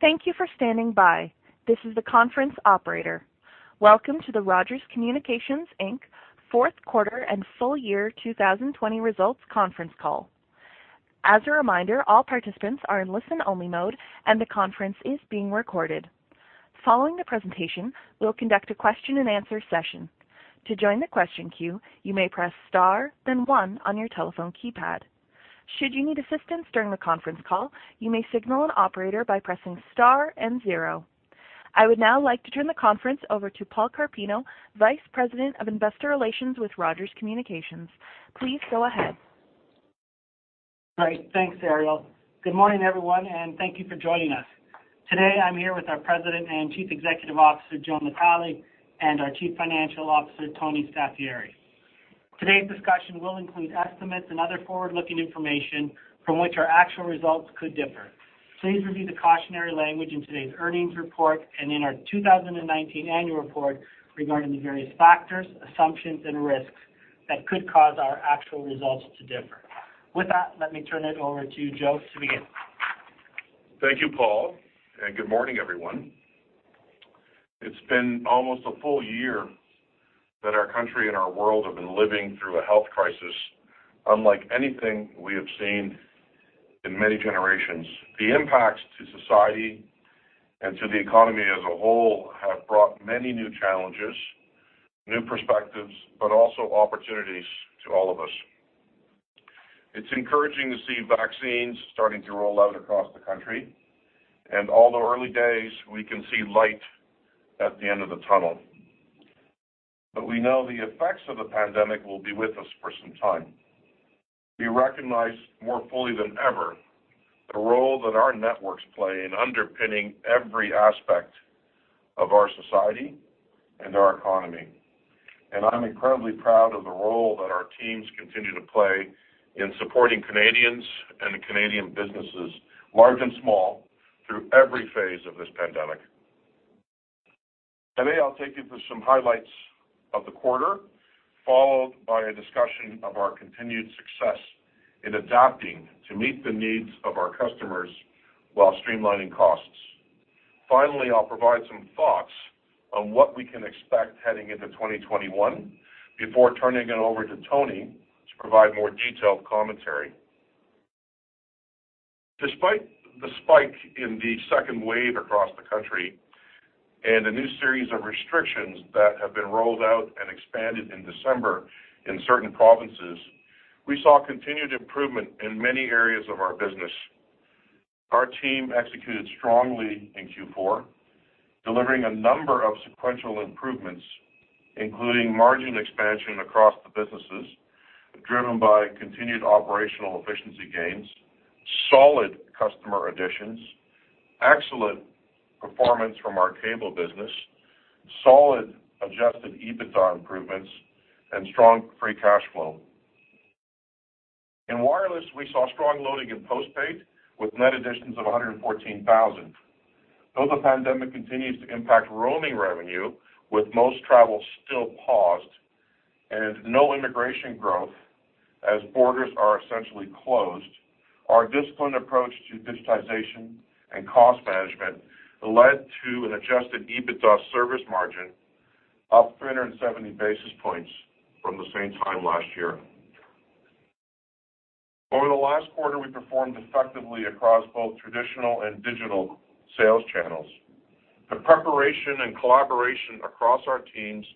Thank you for standing by. This is the conference operator. Welcome to the Rogers Communications, Inc., Q4 and full year 2020 results conference call. As a reminder, all participants are in listen-only mode, and the conference is being recorded. Following the presentation, we'll conduct a question-and-answer session. To join the question queue, you may press star, then one on your telephone keypad. Should you need assistance during the conference call, you may signal an operator by pressing star and zero. I would now like to turn the conference over to Paul Carpino, Vice President of Investor Relations with Rogers Communications. Please go ahead. Great. Thanks, Ariel. Good morning, everyone, and thank you for joining us. Today, I'm here with our President and Chief Executive Officer, Joe Natale, and our Chief Financial Officer, Tony Staffieri. Today's discussion will include estimates and other forward-looking information from which our actual results could differ. Please review the cautionary language in today's earnings report and in our 2019 annual report regarding the various factors, assumptions, and risks that could cause our actual results to differ. With that, let me turn it over to Joe to begin. Thank you, Paul, and good morning, everyone. It's been almost a full year that our country and our world have been living through a health crisis unlike anything we have seen in many generations. The impacts to society and to the economy as a whole have brought many new challenges, new perspectives, but also opportunities to all of us. It's encouraging to see vaccines starting to roll out across the country, and although early days, we can see light at the end of the tunnel. But we know the effects of the pandemic will be with us for some time. We recognize more fully than ever the role that our networks play in underpinning every aspect of our society and our economy. And I'm incredibly proud of the role that our teams continue to play in supporting Canadians and Canadian businesses, large and small, through every phase of this pandemic. Today, I'll take you through some highlights of the quarter, followed by a discussion of our continued success in adapting to meet the needs of our customers while streamlining costs. Finally, I'll provide some thoughts on what we can expect heading into 2021 before turning it over to Tony to provide more detailed commentary. Despite the spike in the second wave across the country and a new series of restrictions that have been rolled out and expanded in December in certain provinces, we saw continued improvement in many areas of our business. Our team executed strongly in Q4, delivering a number of sequential improvements, including margin expansion across the businesses driven by continued operational efficiency gains, solid customer additions, excellent performance from our cable business, solid Adjusted EBITDA improvements, and strong Free Cash Flow. In wireless, we saw strong loading in postpaid with net additions of 114,000. Though the pandemic continues to impact roaming revenue, with most travel still paused and no immigration growth as borders are essentially closed, our disciplined approach to digitization and cost management led to an Adjusted EBITDA service margin of 370 basis points from the same time last year. Over the last quarter, we performed effectively across both traditional and digital sales channels. The preparation and collaboration across our teams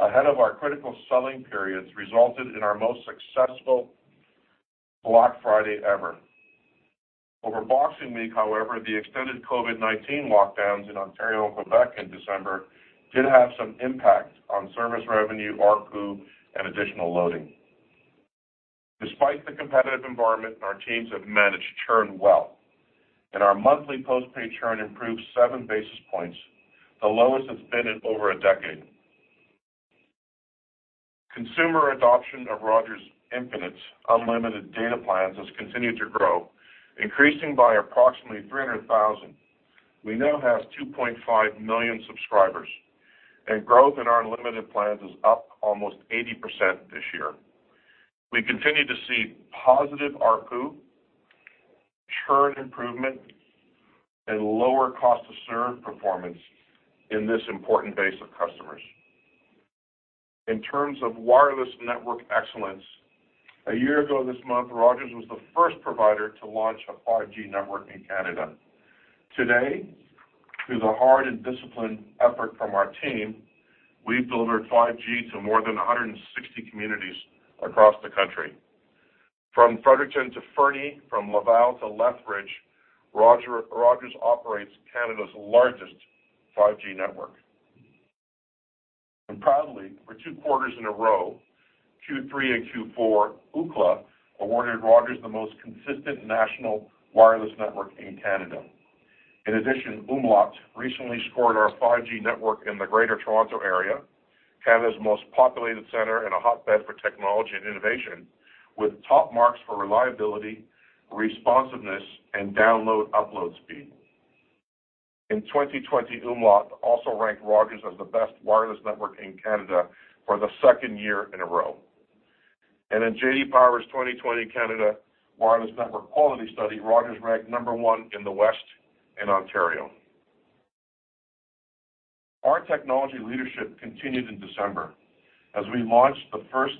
ahead of our critical selling periods resulted in our most successful Black Friday ever. Over Boxing Week, however, the extended COVID-19 lockdowns in Ontario and Quebec in December did have some impact on service revenue, ARPU, and additional loading. Despite the competitive environment, our teams have managed to churn well, and our monthly postpaid churn improved seven basis points, the lowest it's been in over a decade. Consumer adoption of Rogers Infinite unlimited data plans has continued to grow, increasing by approximately 300,000. We now have 2.5 million subscribers, and growth in our unlimited plans is up almost 80% this year. We continue to see positive ARPU, churn improvement, and lower cost-to-serve performance in this important base of customers. In terms of wireless network excellence, a year ago this month, Rogers was the first provider to launch a 5G network in Canada. Today, through the hard and disciplined effort from our team, we've delivered 5G to more than 160 communities across the country. From Fredericton to Fernie, from Laval to Lethbridge, Rogers operates Canada's largest 5G network. And proudly, for two quarters in a row, Q3 and Q4, Ookla awarded Rogers the most consistent national wireless network in Canada. In addition, umlaut recently scored our 5G network in the Greater Toronto Area, Canada's most populated center and a hotbed for technology and innovation, with top marks for reliability, responsiveness, and download-upload speed. In 2020, umlaut also ranked Rogers as the best wireless network in Canada for the second year in a row. In J.D. Power's 2020 Canada Wireless Network Quality Study, Rogers ranked number one in the West and Ontario. Our technology leadership continued in December as we launched the first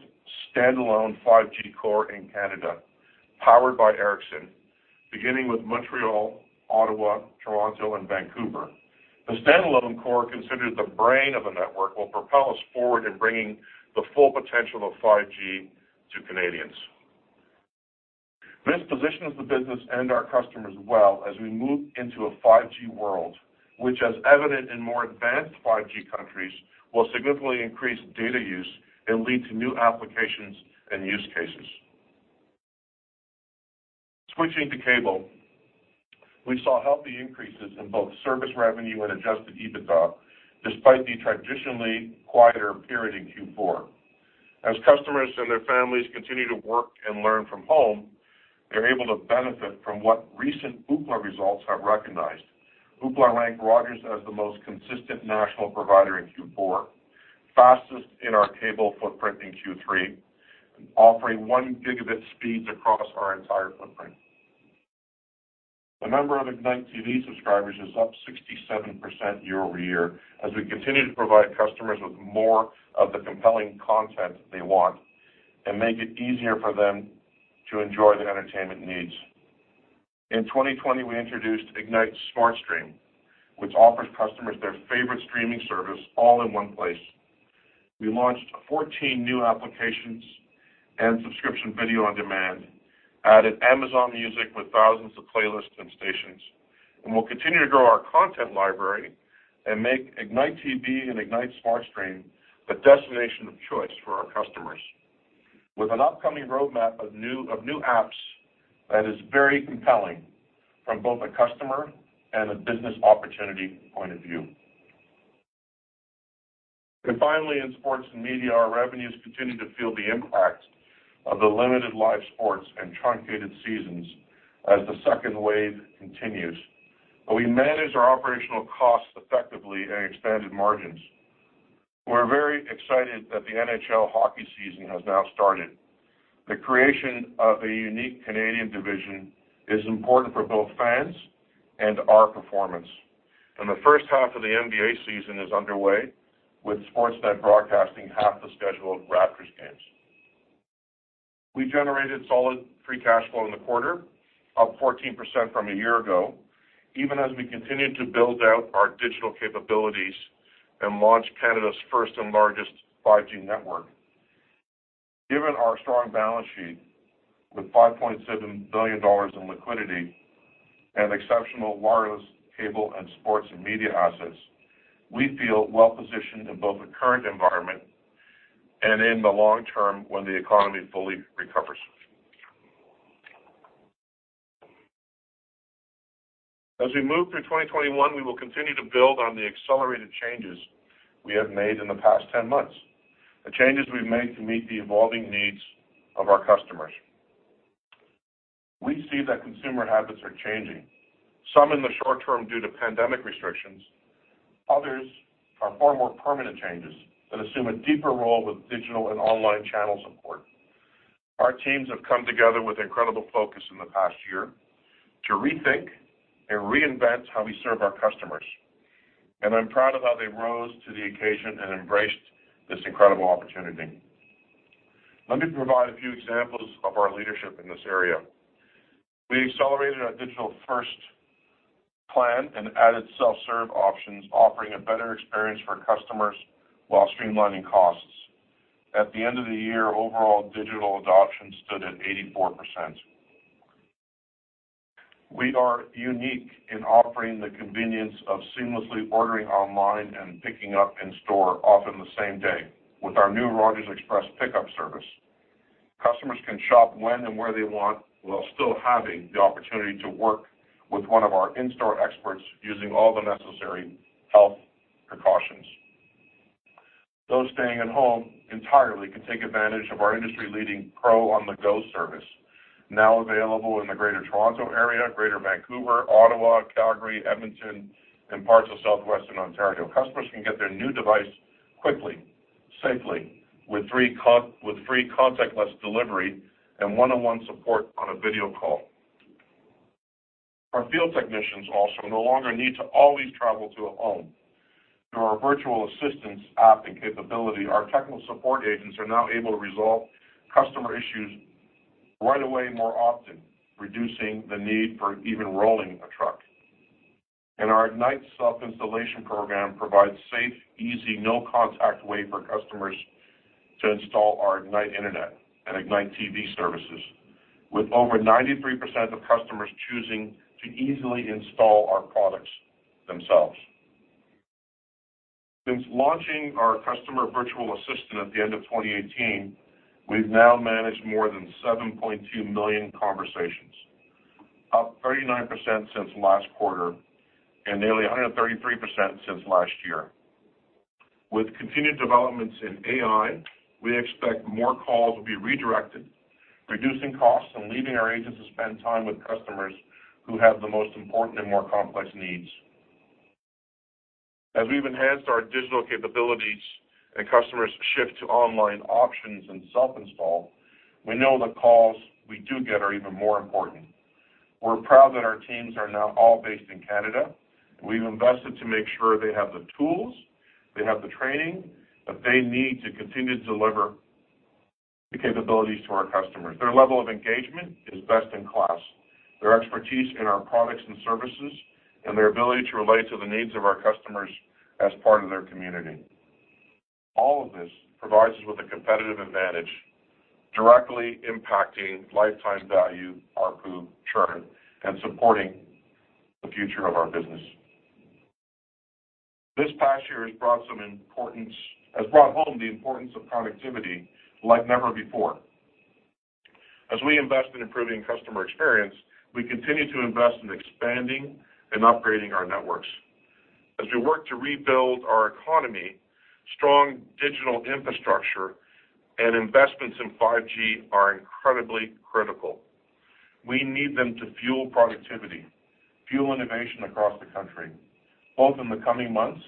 standalone 5G core in Canada, powered by Ericsson, beginning with Montreal, Ottawa, Toronto, and Vancouver. The standalone core, considered the brain of the network, will propel us forward in bringing the full potential of 5G to Canadians. This positions the business and our customers well as we move into a 5G world, which, as evident in more advanced 5G countries, will significantly increase data use and lead to new applications and use cases. Switching to cable, we saw healthy increases in both service revenue and Adjusted EBITDA, despite the traditionally quieter period in Q4. As customers and their families continue to work and learn from home, they're able to benefit from what recent Ookla results have recognized. Ookla ranked Rogers as the most consistent national provider in Q4, fastest in our cable footprint in Q3, offering one gigabit speeds across our entire footprint. The number of Ignite TV subscribers is up 67% year-over-year as we continue to provide customers with more of the compelling content they want and make it easier for them to enjoy the entertainment needs. In 2020, we introduced Ignite SmartStream, which offers customers their favorite streaming service all in one place. We launched 14 new applications and subscription video on demand, added Amazon Music with thousands of playlists and stations, and we'll continue to grow our content library and make Ignite TV and Ignite SmartStream the destination of choice for our customers, with an upcoming roadmap of new apps that is very compelling from both a customer and a business opportunity point of view, and finally, in sports and media, our revenues continue to feel the impact of the limited live sports and truncated seasons as the second wave continues, but we manage our operational costs effectively and expanded margins. We're very excited that the NHL hockey season has now started. The creation of a unique Canadian division is important for both fans and our performance, and the first half of the NBA season is underway with Sportsnet broadcasting half the schedule of Raptors games. We generated solid free cash flow in the quarter, up 14% from a year ago, even as we continue to build out our digital capabilities and launch Canada's first and largest 5G network. Given our strong balance sheet with 5.7 billion dollars in liquidity and exceptional wireless, cable, and sports media assets, we feel well-positioned in both the current environment and in the long term when the economy fully recovers. As we move through 2021, we will continue to build on the accelerated changes we have made in the past 10 months, the changes we've made to meet the evolving needs of our customers. We see that consumer habits are changing. Some in the short term due to pandemic restrictions. Others are far more permanent changes that assume a deeper role with digital and online channel support. Our teams have come together with incredible focus in the past year to rethink and reinvent how we serve our customers, and I'm proud of how they rose to the occasion and embraced this incredible opportunity. Let me provide a few examples of our leadership in this area. We accelerated our digital-first plan and added self-serve options, offering a better experience for customers while streamlining costs. At the end of the year, overall digital adoption stood at 84%. We are unique in offering the convenience of seamlessly ordering online and picking up in store often the same day with our new Rogers Express Pickup service. Customers can shop when and where they want while still having the opportunity to work with one of our in-store experts using all the necessary health precautions. Those staying at home entirely can take advantage of our industry-leading Pro On-the-Go service, now available in the Greater Toronto Area, Greater Vancouver, Ottawa, Calgary, Edmonton, and parts of Southwestern Ontario. Customers can get their new device quickly, safely, with free contactless delivery and one-on-one support on a video call. Our field technicians also no longer need to always travel to a home. Through our virtual assistance app and capability, our technical support agents are now able to resolve customer issues right away, more often, reducing the need for even rolling a truck. Our Ignite self-installation program provides a safe, easy, no-contact way for customers to install our Ignite Internet and Ignite TV services, with over 93% of customers choosing to easily install our products themselves. Since launching our customer virtual assistant at the end of 2018, we've now managed more than 7.2 million conversations, up 39% since last quarter and nearly 133% since last year. With continued developments in AI, we expect more calls will be redirected, reducing costs and leaving our agents to spend time with customers who have the most important and more complex needs. As we've enhanced our digital capabilities and customers shift to online options and self-install, we know the calls we do get are even more important. We're proud that our teams are now all based in Canada, and we've invested to make sure they have the tools, they have the training that they need to continue to deliver the capabilities to our customers. Their level of engagement is best in class. Their expertise in our products and services and their ability to relate to the needs of our customers as part of their community. All of this provides us with a competitive advantage, directly impacting lifetime value, ARPU, churn, and supporting the future of our business. This past year has brought some importance, has brought home the importance of connectivity like never before. As we invest in improving customer experience, we continue to invest in expanding and upgrading our networks. As we work to rebuild our economy, strong digital infrastructure and investments in 5G are incredibly critical. We need them to fuel productivity, fuel innovation across the country, both in the coming months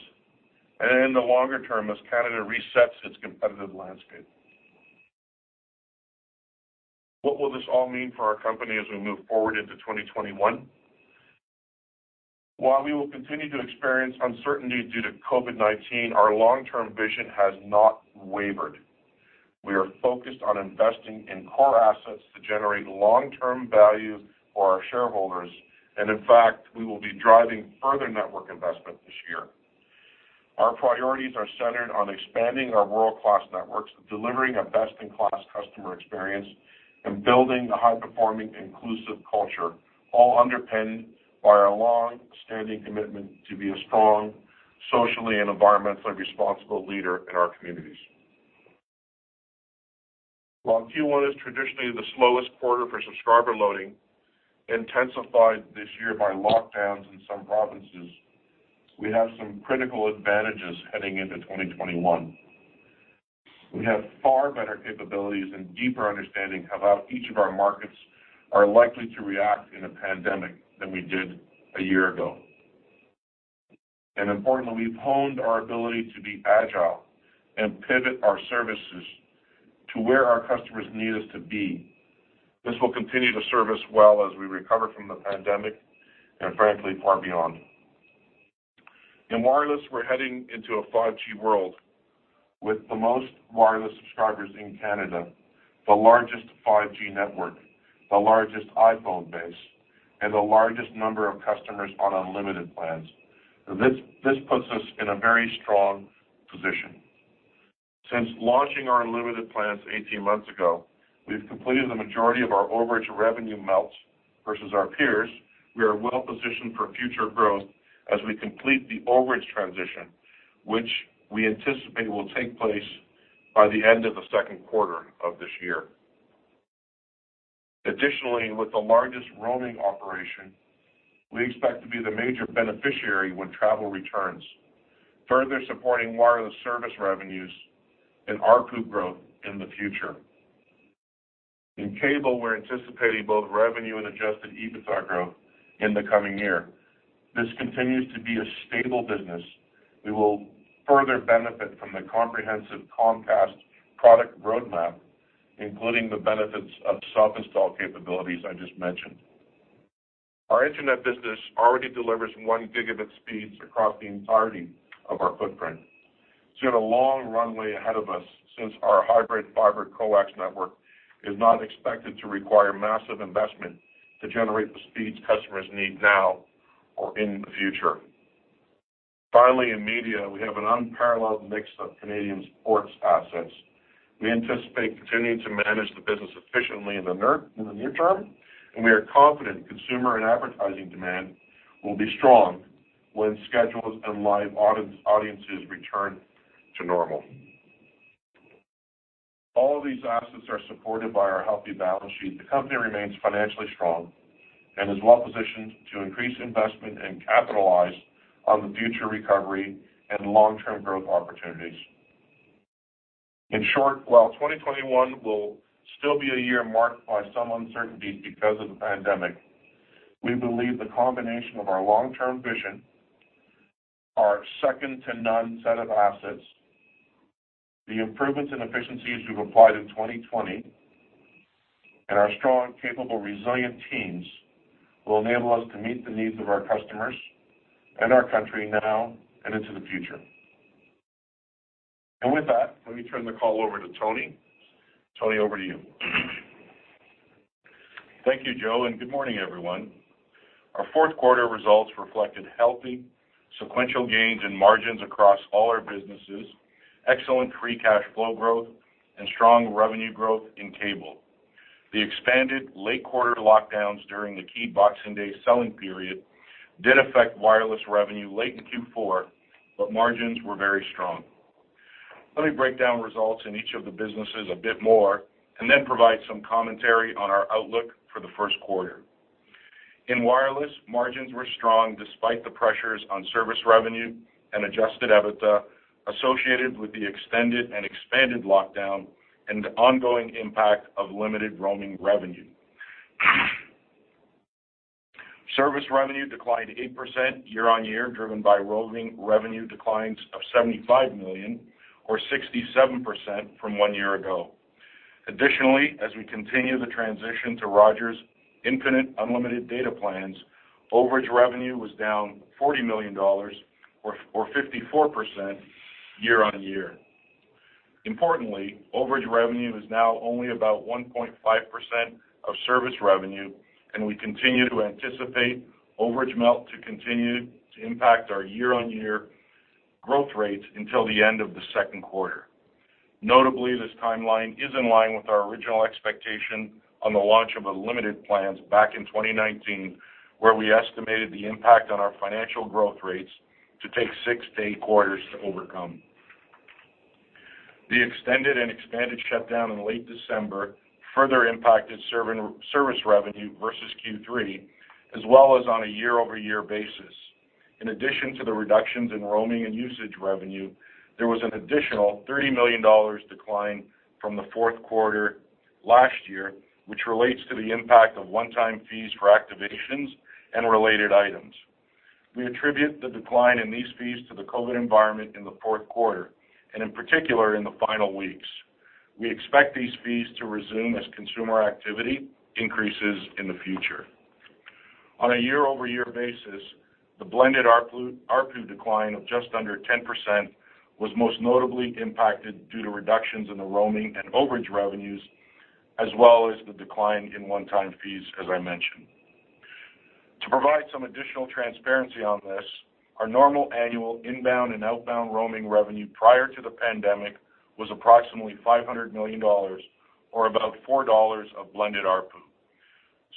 and in the longer term as Canada resets its competitive landscape. What will this all mean for our company as we move forward into 2021? While we will continue to experience uncertainty due to COVID-19, our long-term vision has not wavered. We are focused on investing in core assets to generate long-term value for our shareholders, and in fact, we will be driving further network investment this year. Our priorities are centered on expanding our world-class networks, delivering a best-in-class customer experience, and building a high-performing, inclusive culture, all underpinned by our long-standing commitment to be a strong socially and environmentally responsible leader in our communities. While Q1 is traditionally the slowest quarter for subscriber loading, intensified this year by lockdowns in some provinces, we have some critical advantages heading into 2021. We have far better capabilities and deeper understanding of how each of our markets are likely to react in a pandemic than we did a year ago, and importantly, we've honed our ability to be agile and pivot our services to where our customers need us to be. This will continue to serve us well as we recover from the pandemic and, frankly, far beyond. In wireless, we're heading into a 5G world with the most wireless subscribers in Canada, the largest 5G network, the largest iPhone base, and the largest number of customers on unlimited plans. This puts us in a very strong position. Since launching our unlimited plans 18 months ago, we've completed the majority of our overage revenue melts versus our peers. We are well-positioned for future growth as we complete the overage transition, which we anticipate will take place by the end of the second quarter of this year. Additionally, with the largest roaming operation, we expect to be the major beneficiary when travel returns, further supporting wireless service revenues and ARPU growth in the future. In cable, we're anticipating both revenue and adjusted EBITDA growth in the coming year. This continues to be a stable business. We will further benefit from the comprehensive Comcast product roadmap, including the benefits of self-install capabilities I just mentioned. Our Internet business already delivers one gigabit speeds across the entirety of our footprint. It's got a long runway ahead of us since our hybrid fiber coax network is not expected to require massive investment to generate the speeds customers need now or in the future. Finally, in media, we have an unparalleled mix of Canadian sports assets. We anticipate continuing to manage the business efficiently in the near term, and we are confident consumer and advertising demand will be strong when schedules and live audiences return to normal. All of these assets are supported by our healthy balance sheet. The company remains financially strong and is well-positioned to increase investment and capitalize on the future recovery and long-term growth opportunities. In short, while 2021 will still be a year marked by some uncertainties because of the pandemic, we believe the combination of our long-term vision, our second-to-none set of assets, the improvements and efficiencies we've applied in 2020, and our strong, capable, resilient teams will enable us to meet the needs of our customers and our country now and into the future, and with that, let me turn the call over to Tony. Tony, over to you. Thank you, Joe, and good morning, everyone. Our Q4 results reflected healthy sequential gains in margins across all our businesses, excellent Free Cash Flow growth, and strong revenue growth in cable. The expanded late quarter lockdowns during the key Boxing Day selling period did affect wireless revenue late in Q4, but margins were very strong. Let me break down results in each of the businesses a bit more and then provide some commentary on our outlook for the first quarter. In wireless, margins were strong despite the pressures on service revenue and Adjusted EBITDA associated with the extended and expanded lockdown and the ongoing impact of limited roaming revenue. Service revenue declined 8% year-on-year, driven by roaming revenue declines of 75 million, or 67% from one year ago. Additionally, as we continue the transition to Rogers Infinite unlimited data plans, overage revenue was down 40 million dollars, or 54% year-on-year. Importantly, overage revenue is now only about 1.5% of service revenue, and we continue to anticipate overage melt to continue to impact our year-on-year growth rates until the end of the second quarter. Notably, this timeline is in line with our original expectation on the launch of unlimited plans back in 2019, where we estimated the impact on our financial growth rates to take six to eight quarters to overcome. The extended and expanded shutdown in late December further impacted service revenue versus Q3, as well as on a year-over-year basis. In addition to the reductions in roaming and usage revenue, there was an additional 30 million dollars decline from the Q4 last year, which relates to the impact of one-time fees for activations and related items. We attribute the decline in these fees to the COVID environment in the Q4, and in particular, in the final weeks. We expect these fees to resume as consumer activity increases in the future. On a year-over-year basis, the blended ARPU decline of just under 10% was most notably impacted due to reductions in the roaming and overage revenues, as well as the decline in one-time fees, as I mentioned. To provide some additional transparency on this, our normal annual inbound and outbound roaming revenue prior to the pandemic was approximately 500 million dollars, or about 4 dollars of blended ARPU,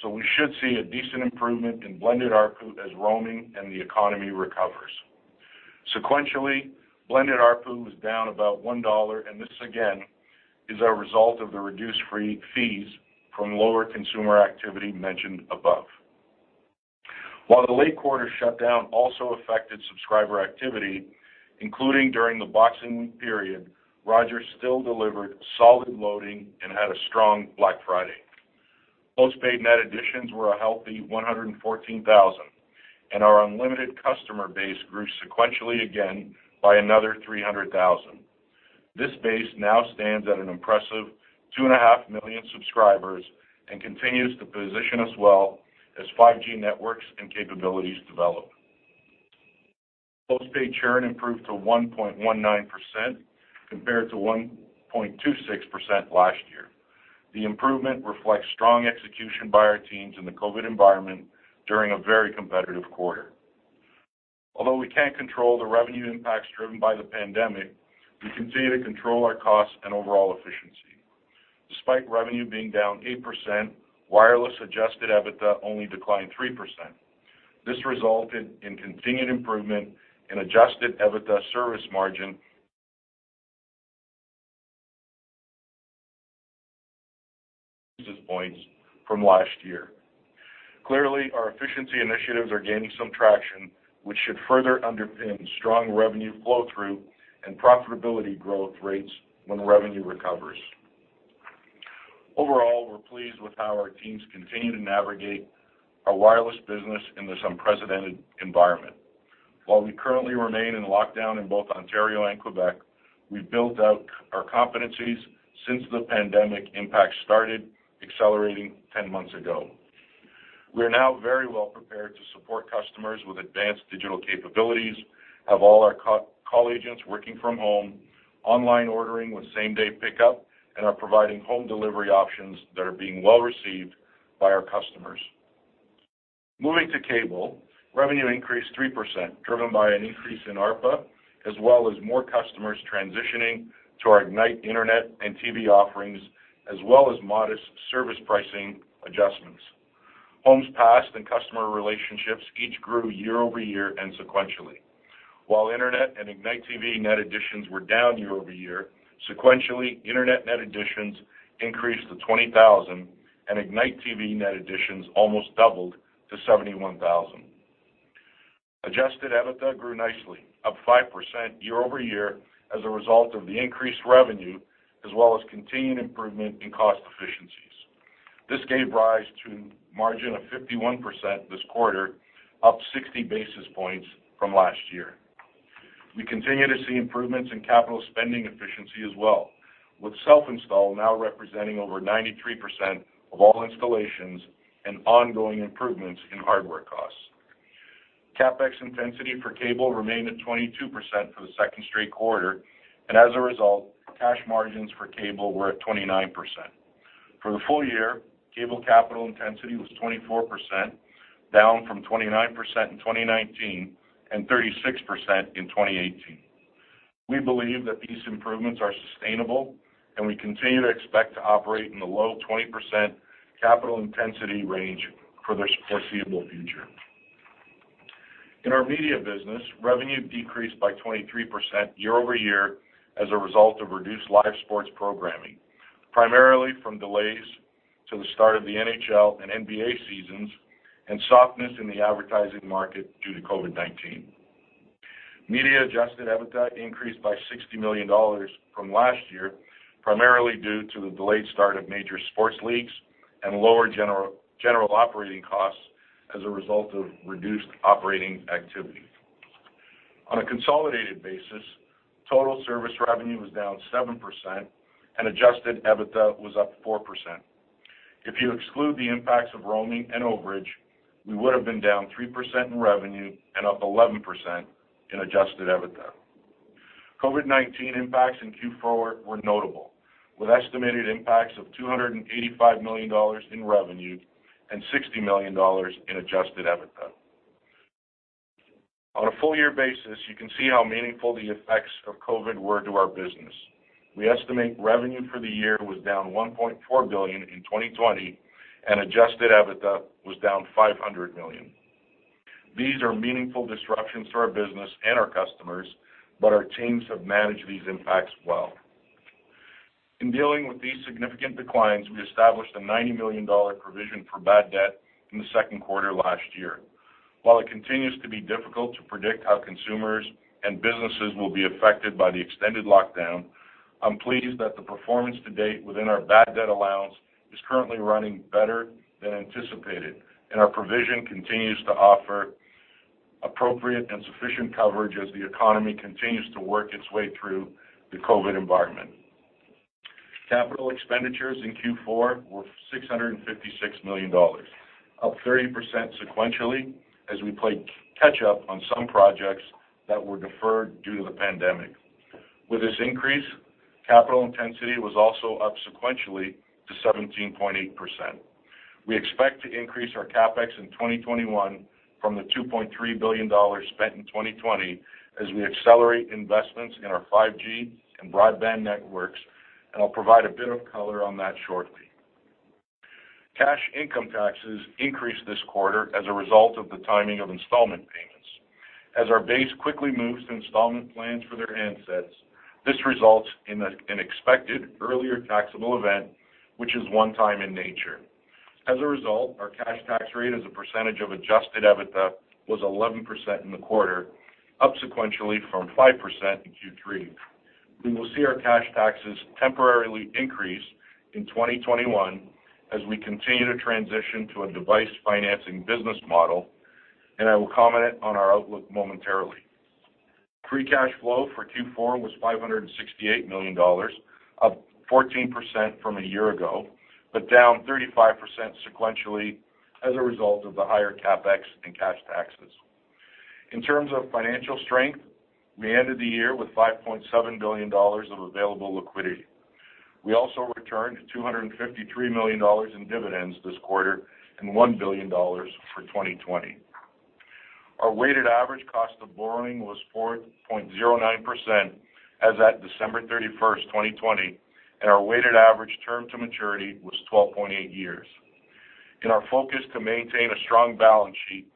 so we should see a decent improvement in blended ARPU as roaming and the economy recovers. Sequentially, blended ARPU was down about 1 dollar, and this again is a result of the reduced fees from lower consumer activity mentioned above. While the late quarter shutdown also affected subscriber activity, including during the Boxing period, Rogers still delivered solid loading and had a strong Black Friday. Postpaid net additions were a healthy 114,000, and our unlimited customer base grew sequentially again by another 300,000. This base now stands at an impressive 2.5 million subscribers and continues to position us well as 5G networks and capabilities develop. Postpaid churn improved to 1.19% compared to 1.26% last year. The improvement reflects strong execution by our teams in the COVID environment during a very competitive quarter. Although we can't control the revenue impacts driven by the pandemic, we continue to control our costs and overall efficiency. Despite revenue being down 8%, wireless adjusted EBITDA only declined 3%. This resulted in continued improvement in adjusted EBITDA service margin points from last year. Clearly, our efficiency initiatives are gaining some traction, which should further underpin strong revenue flow-through and profitability growth rates when revenue recovers. Overall, we're pleased with how our teams continue to navigate our wireless business in this unprecedented environment. While we currently remain in lockdown in both Ontario and Quebec, we've built out our competencies since the pandemic impacts started accelerating 10 months ago. We are now very well prepared to support customers with advanced digital capabilities, have all our call agents working from home, online ordering with same-day pickup, and are providing home delivery options that are being well received by our customers. Moving to cable, revenue increased 3%, driven by an increase in ARPA, as well as more customers transitioning to our Ignite Internet and TV offerings, as well as modest service pricing adjustments. Homes passed and customer relationships each grew year-over-year and sequentially. While Internet and Ignite TV net additions were down year-over-year, sequentially, Internet net additions increased to 20,000, and Ignite TV net additions almost doubled to 71,000. Adjusted EBITDA grew nicely, up 5% year-over-year as a result of the increased revenue, as well as continued improvement in cost efficiencies. This gave rise to a margin of 51% this quarter, up 60 basis points from last year. We continue to see improvements in capital spending efficiency as well, with self-install now representing over 93% of all installations and ongoing improvements in hardware costs. CapEx intensity for cable remained at 22% for the second straight quarter, and as a result, cash margins for cable were at 29%. For the full year, cable capital intensity was 24%, down from 29% in 2019 and 36% in 2018. We believe that these improvements are sustainable, and we continue to expect to operate in the low 20% capital intensity range for this foreseeable future. In our media business, revenue decreased by 23% year-over-year as a result of reduced live sports programming, primarily from delays to the start of the NHL and NBA seasons and softness in the advertising market due to COVID-19. Media Adjusted EBITDA increased by 60 million dollars from last year, primarily due to the delayed start of major sports leagues and lower general operating costs as a result of reduced operating activity. On a consolidated basis, total service revenue was down 7%, and Adjusted EBITDA was up 4%. If you exclude the impacts of roaming and overage, we would have been down 3% in revenue and up 11% in Adjusted EBITDA. COVID-19 impacts in Q4 were notable, with estimated impacts of 285 million dollars in revenue and 60 million dollars in adjusted EBITDA. On a full-year basis, you can see how meaningful the effects of COVID were to our business. We estimate revenue for the year was down 1.4 billion in 2020, and adjusted EBITDA was down 500 million. These are meaningful disruptions to our business and our customers, but our teams have managed these impacts well. In dealing with these significant declines, we established a 90 million dollar provision for bad debt in the second quarter last year. While it continues to be difficult to predict how consumers and businesses will be affected by the extended lockdown, I'm pleased that the performance to date within our bad debt allowance is currently running better than anticipated, and our provision continues to offer appropriate and sufficient coverage as the economy continues to work its way through the COVID environment. Capital expenditures in Q4 were 656 million dollars, up 30% sequentially as we played catch-up on some projects that were deferred due to the pandemic. With this increase, capital intensity was also up sequentially to 17.8%. We expect to increase our CapEx in 2021 from the 2.3 billion dollars spent in 2020 as we accelerate investments in our 5G and broadband networks, and I'll provide a bit of color on that shortly. Cash income taxes increased this quarter as a result of the timing of installment payments. As our base quickly moves to installment plans for their handsets, this results in an expected earlier taxable event, which is one-time in nature. As a result, our cash tax rate as a percentage of adjusted EBITDA was 11% in the quarter, up sequentially from 5% in Q3. We will see our cash taxes temporarily increase in 2021 as we continue to transition to a device financing business model, and I will comment on our outlook momentarily. Free cash flow for Q4 was 568 million dollars, up 14% from a year ago, but down 35% sequentially as a result of the higher CapEx and cash taxes. In terms of financial strength, we ended the year with 5.7 billion dollars of available liquidity. We also returned 253 million dollars in dividends this quarter and 1 billion dollars for 2020. Our Weighted Average Cost of Borrowing was 4.09% as at December 31st, 2020, and our weighted average term to maturity was 12.8 years. In our focus to maintain a strong balance sheet,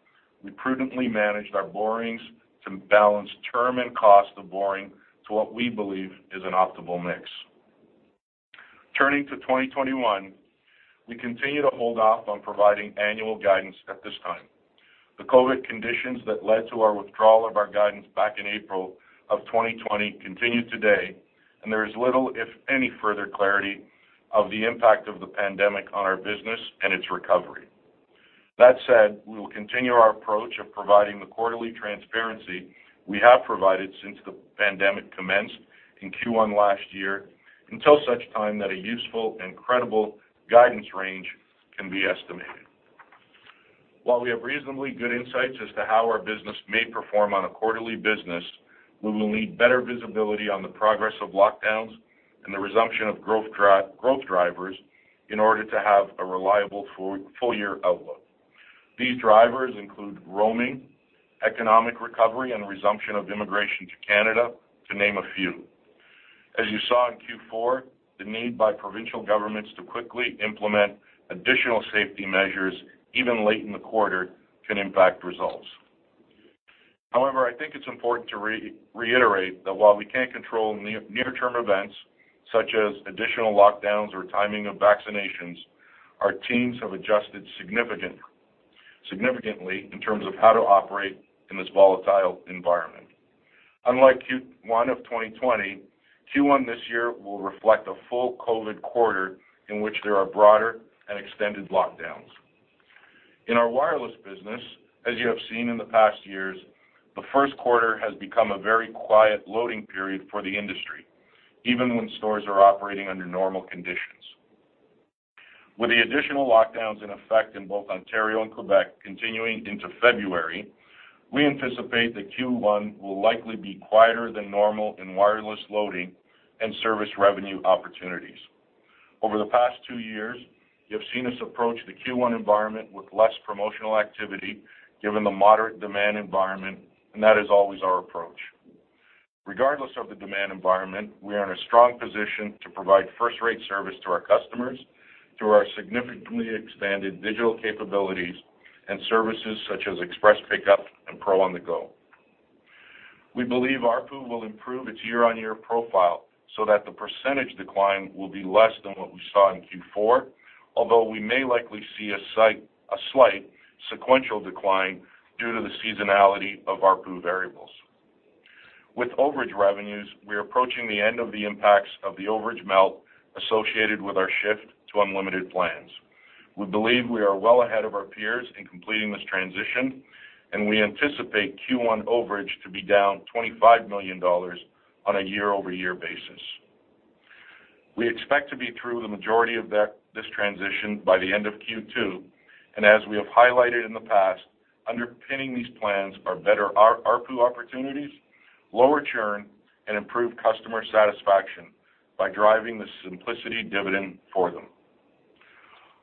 we prudently managed our borrowings to balance term and cost of borrowing to what we believe is an optimal mix. Turning to 2021, we continue to hold off on providing annual guidance at this time. The COVID conditions that led to our withdrawal of our guidance back in April of 2020 continue today, and there is little, if any, further clarity of the impact of the pandemic on our business and its recovery. That said, we will continue our approach of providing the quarterly transparency we have provided since the pandemic commenced in Q1 last year until such time that a useful and credible guidance range can be estimated. While we have reasonably good insights as to how our business may perform on a quarterly basis, we will need better visibility on the progress of lockdowns and the resumption of growth drivers in order to have a reliable full-year outlook. These drivers include roaming, economic recovery, and resumption of immigration to Canada, to name a few. As you saw in Q4, the need by provincial governments to quickly implement additional safety measures even late in the quarter can impact results. However, I think it's important to reiterate that while we can't control near-term events such as additional lockdowns or timing of vaccinations, our teams have adjusted significantly in terms of how to operate in this volatile environment. Unlike Q1 of 2020, Q1 this year will reflect a full COVID quarter in which there are broader and extended lockdowns. In our wireless business, as you have seen in the past years, the first quarter has become a very quiet loading period for the industry, even when stores are operating under normal conditions. With the additional lockdowns in effect in both Ontario and Quebec continuing into February, we anticipate that Q1 will likely be quieter than normal in wireless loading and service revenue opportunities. Over the past two years, you have seen us approach the Q1 environment with less promotional activity given the moderate demand environment, and that is always our approach. Regardless of the demand environment, we are in a strong position to provide first-rate service to our customers through our significantly expanded digital capabilities and services such as express pickup and Pro On-the-Go. We believe ARPU will improve its year-on-year profile so that the percentage decline will be less than what we saw in Q4, although we may likely see a slight sequential decline due to the seasonality of ARPU variables. With overage revenues, we are approaching the end of the impacts of the overage melt associated with our shift to unlimited plans. We believe we are well ahead of our peers in completing this transition, and we anticipate Q1 overage to be down 25 million dollars on a year-over-year basis. We expect to be through the majority of this transition by the end of Q2, and as we have highlighted in the past, underpinning these plans are better ARPU opportunities, lower churn, and improved customer satisfaction by driving the simplicity dividend for them.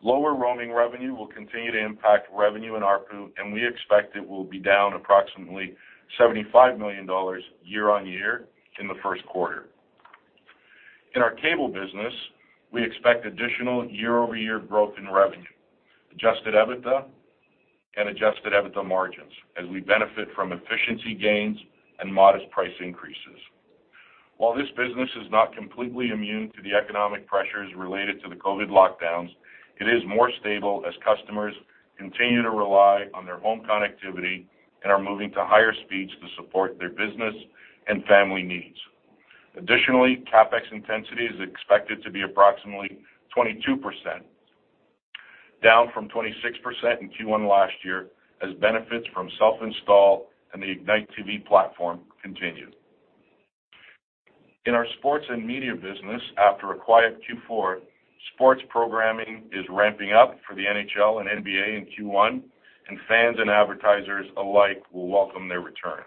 Lower roaming revenue will continue to impact revenue in ARPU, and we expect it will be down approximately 75 million dollars year-on-year in the first quarter. In our cable business, we expect additional year-over-year growth in revenue, adjusted EBITDA, and adjusted EBITDA margins as we benefit from efficiency gains and modest price increases. While this business is not completely immune to the economic pressures related to the COVID lockdowns, it is more stable as customers continue to rely on their home connectivity and are moving to higher speeds to support their business and family needs. Additionally, CapEx intensity is expected to be approximately 22%, down from 26% in Q1 last year as benefits from self-install and the Ignite TV platform continue. In our sports and media business, after a quiet Q4, sports programming is ramping up for the NHL and NBA in Q1, and fans and advertisers alike will welcome their return.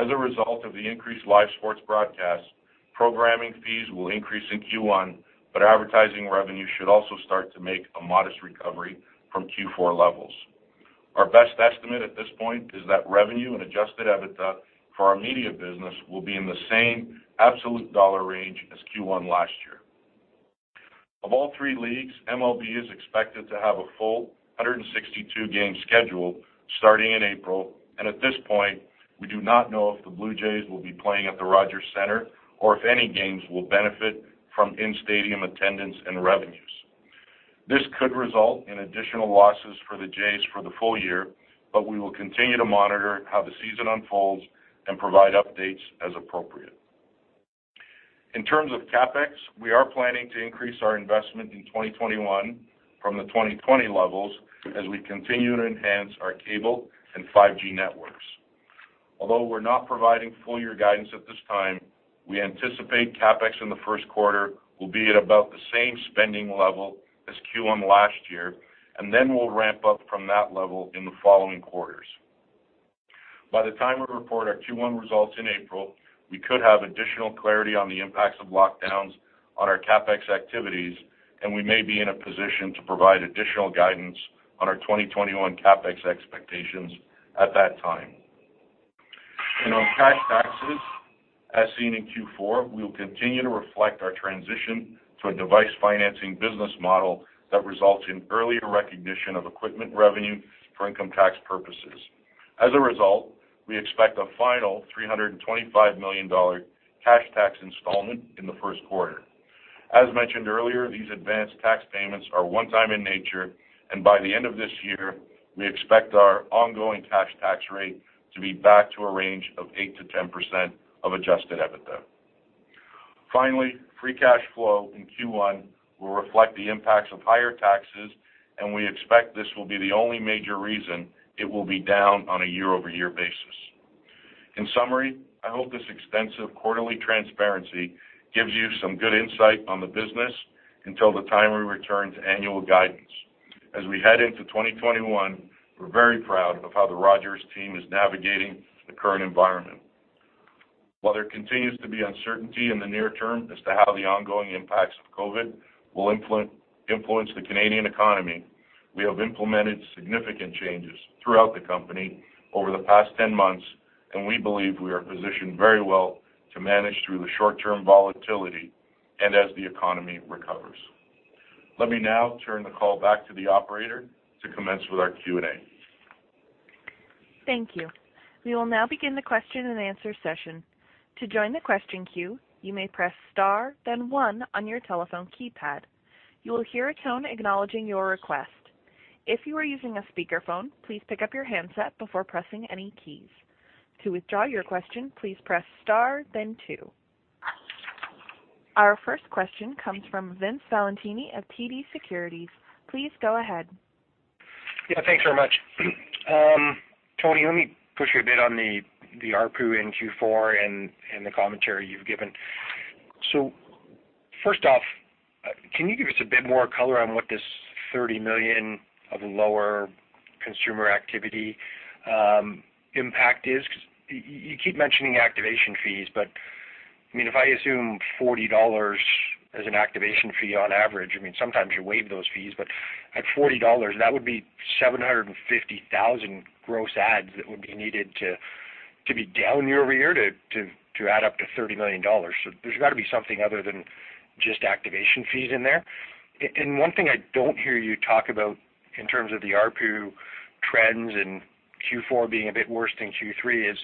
As a result of the increased live sports broadcasts, programming fees will increase in Q1, but advertising revenue should also start to make a modest recovery from Q4 levels. Our best estimate at this point is that revenue and Adjusted EBITDA for our media business will be in the same absolute dollar range as Q1 last year. Of all three leagues, MLB is expected to have a full 162-game schedule starting in April, and at this point, we do not know if the Blue Jays will be playing at the Rogers Centre or if any games will benefit from in-stadium attendance and revenues. This could result in additional losses for the Jays for the full year, but we will continue to monitor how the season unfolds and provide updates as appropriate. In terms of CapEx, we are planning to increase our investment in 2021 from the 2020 levels as we continue to enhance our cable and 5G networks. Although we're not providing full-year guidance at this time, we anticipate CapEx in the first quarter will be at about the same spending level as Q1 last year, and then we'll ramp up from that level in the following quarters. By the time we report our Q1 results in April, we could have additional clarity on the impacts of lockdowns on our CapEx activities, and we may be in a position to provide additional guidance on our 2021 CapEx expectations at that time. In our cash taxes, as seen in Q4, we will continue to reflect our transition to a device financing business model that results in earlier recognition of equipment revenue for income tax purposes. As a result, we expect a final 325 million dollar cash tax installment in the first quarter. As mentioned earlier, these advanced tax payments are one-time in nature, and by the end of this year, we expect our ongoing cash tax rate to be back to a range of 8%-10% of Adjusted EBITDA. Finally, Free Cash Flow in Q1 will reflect the impacts of higher taxes, and we expect this will be the only major reason it will be down on a year-over-year basis. In summary, I hope this extensive quarterly transparency gives you some good insight on the business until the time we return to annual guidance. As we head into 2021, we're very proud of how the Rogers team is navigating the current environment. While there continues to be uncertainty in the near term as to how the ongoing impacts of COVID will influence the Canadian economy, we have implemented significant changes throughout the company over the past 10 months, and we believe we are positioned very well to manage through the short-term volatility and as the economy recovers. Let me now turn the call back to the operator to commence with our Q&A. Thank you. We will now begin the question and answer session. To join the question queue, you may press star, then one on your telephone keypad. You will hear a tone acknowledging your request. If you are using a speakerphone, please pick up your handset before pressing any keys. To withdraw your question, please press star, then two. Our first question comes from Vince Valentini of TD Securities. Please go ahead. Yeah, thanks very much. Tony, let me push you a bit on the ARPU in Q4 and the commentary you've given. So first off, can you give us a bit more color on what this 30 million of lower consumer activity impact is? You keep mentioning activation fees, but I mean, if I assume 40 dollars as an activation fee on average, I mean, sometimes you waive those fees, but at 40 dollars, that would be 750,000 gross adds that would be needed to be down year-over-year to add up to 30 million dollars. So there's got to be something other than just activation fees in there. And one thing I don't hear you talk about in terms of the ARPU trends and Q4 being a bit worse than Q3 is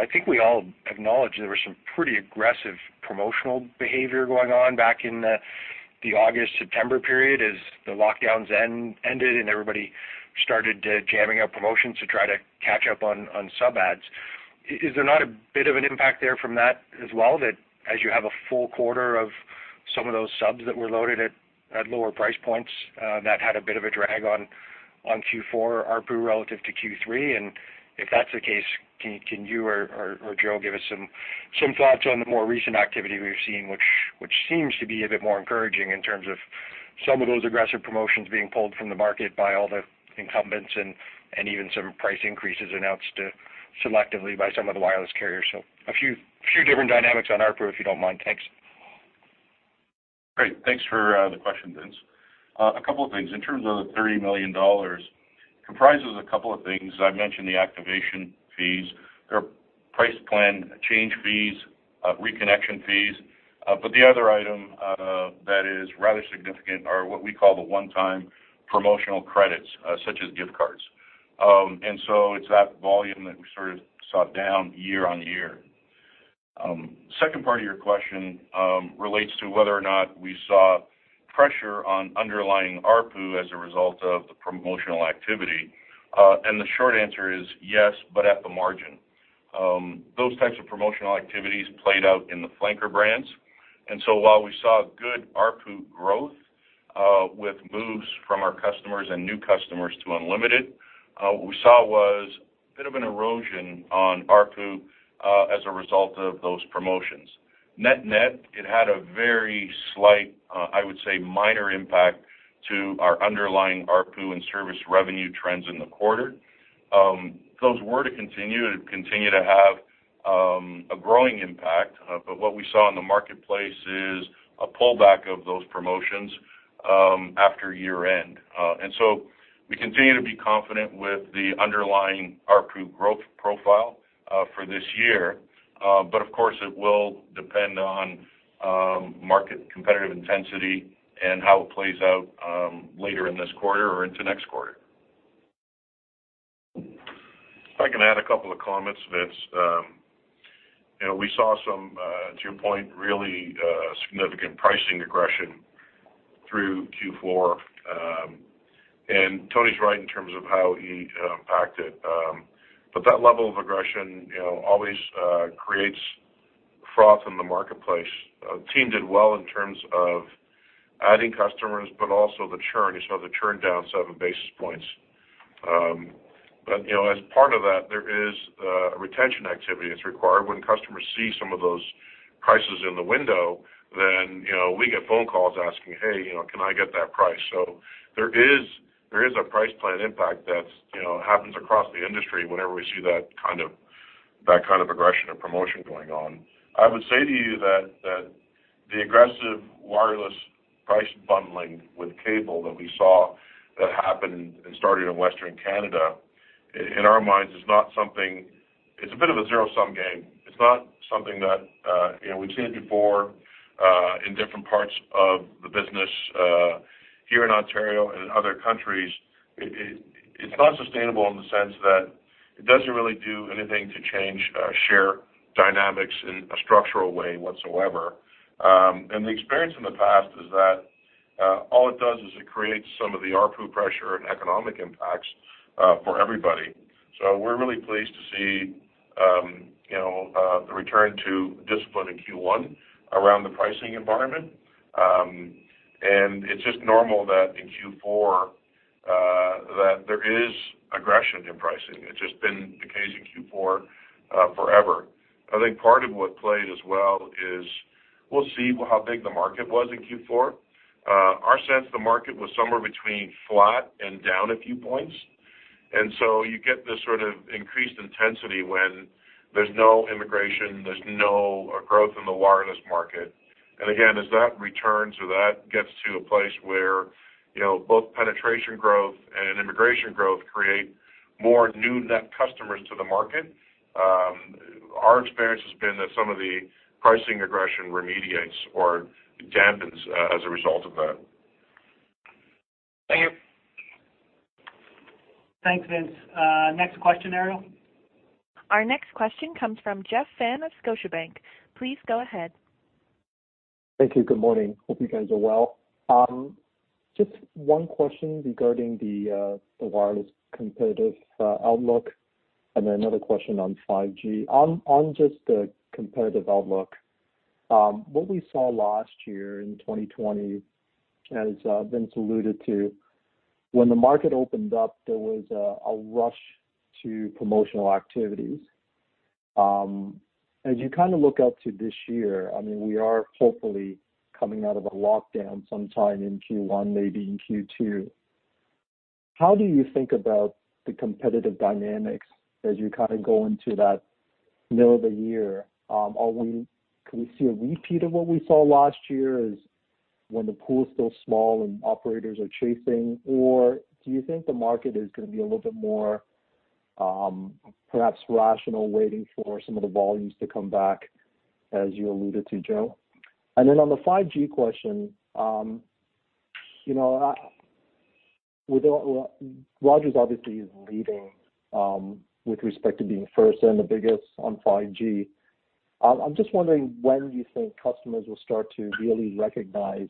I think we all acknowledge there was some pretty aggressive promotional behavior going on back in the August, September period as the lockdowns ended and everybody started jamming up promotions to try to catch up on sub-ads. Is there not a bit of an impact there from that as well that as you have a full quarter of some of those subs that were loaded at lower price points that had a bit of a drag on Q4 ARPU relative to Q3? If that's the case, can you or Joe give us some thoughts on the more recent activity we've seen, which seems to be a bit more encouraging in terms of some of those aggressive promotions being pulled from the market by all the incumbents and even some price increases announced selectively by some of the wireless carriers? A few different dynamics on ARPU if you don't mind. Thanks. Great. Thanks for the question, Vince. A couple of things. In terms of the 30 million dollars, it comprises a couple of things. I mentioned the activation fees. There are price plan change fees, reconnection fees, but the other item that is rather significant are what we call the one-time promotional credits such as gift cards. And so it's that volume that we sort of saw down year-on-year. The second part of your question relates to whether or not we saw pressure on underlying ARPU as a result of the promotional activity. The short answer is yes, but at the margin. Those types of promotional activities played out in the flanker brands. So while we saw good ARPU growth with moves from our customers and new customers to unlimited, what we saw was a bit of an erosion on ARPU as a result of those promotions. Net-net, it had a very slight, I would say, minor impact to our underlying ARPU and service revenue trends in the quarter. Those were to continue to have a growing impact, but what we saw in the marketplace is a pullback of those promotions after year-end. And so we continue to be confident with the underlying ARPU growth profile for this year, but of course, it will depend on market competitive intensity and how it plays out later in this quarter or into next quarter. I can add a couple of comments, Vince. We saw some, to your point, really significant pricing aggression through Q4. And Tony's right in terms of how he impacted it. But that level of aggression always creates froth in the marketplace. The team did well in terms of adding customers, but also the churn. You saw the churn down seven basis points. But as part of that, there is retention activity that's required. When customers see some of those prices in the window, then we get phone calls asking, "Hey, can I get that price?" So there is a price plan impact that happens across the industry whenever we see that kind of aggression or promotion going on. I would say to you that the aggressive wireless price bundling with cable that we saw that happened and started in Western Canada, in our minds, is not something, it's a bit of a zero-sum game. It's not something that we've seen it before in different parts of the business here in Ontario and in other countries. It's not sustainable in the sense that it doesn't really do anything to change share dynamics in a structural way whatsoever. And the experience in the past is that all it does is it creates some of the ARPU pressure and economic impacts for everybody. So we're really pleased to see the return to discipline in Q1 around the pricing environment. And it's just normal that in Q4 that there is aggression in pricing. It's just been the case in Q4 forever. I think part of what played as well is we'll see how big the market was in Q4. Our sense, the market was somewhere between flat and down a few points. And so you get this sort of increased intensity when there's no immigration, there's no growth in the wireless market. And again, as that returns or that gets to a place where both penetration growth and immigration growth create more new net customers to the market, our experience has been that some of the pricing aggression remediates or dampens as a result of that. Thank you. Thanks, Vince. Next question, Ariel. Our next question comes from Jeff Fan of Scotiabank. Please go ahead. Thank you. Good morning. Hope you guys are well. Just one question regarding the wireless competitive outlook and then another question on 5G. On just the competitive outlook, what we saw last year in 2020, as Vince alluded to, when the market opened up, there was a rush to promotional activities. As you kind of look up to this year, I mean, we are hopefully coming out of a lockdown sometime in Q1, maybe in Q2. How do you think about the competitive dynamics as you kind of go into that middle of the year? Can we see a repeat of what we saw last year when the pool is still small and operators are chasing? Or do you think the market is going to be a little bit more perhaps rational waiting for some of the volumes to come back, as you alluded to, Joe? And then on the 5G question, Rogers obviously is leading with respect to being first and the biggest on 5G. I'm just wondering when you think customers will start to really recognize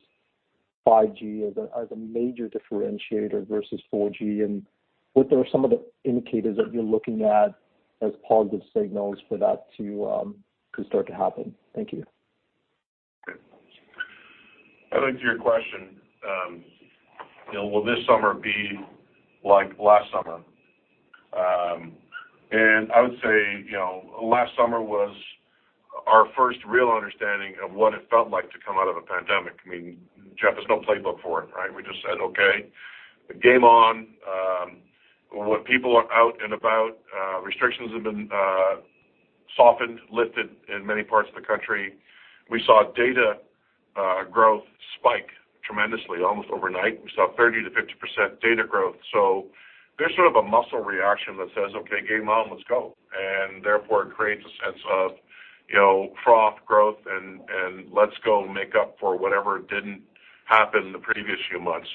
5G as a major differentiator versus 4G, and what are some of the indicators that you're looking at as positive signals for that to start to happen? Thank you. I think to your question, will this summer be like last summer? And I would say last summer was our first real understanding of what it felt like to come out of a pandemic. I mean, Jeff, there's no playbook for it, right? We just said, "Okay, game on." When people are out and about, restrictions have been softened, lifted in many parts of the country. We saw data growth spike tremendously, almost overnight. We saw 30%-50% data growth. So there's sort of a muscle reaction that says, "Okay, game on, let's go." And therefore, it creates a sense of froth, growth, and let's go make up for whatever didn't happen the previous few months.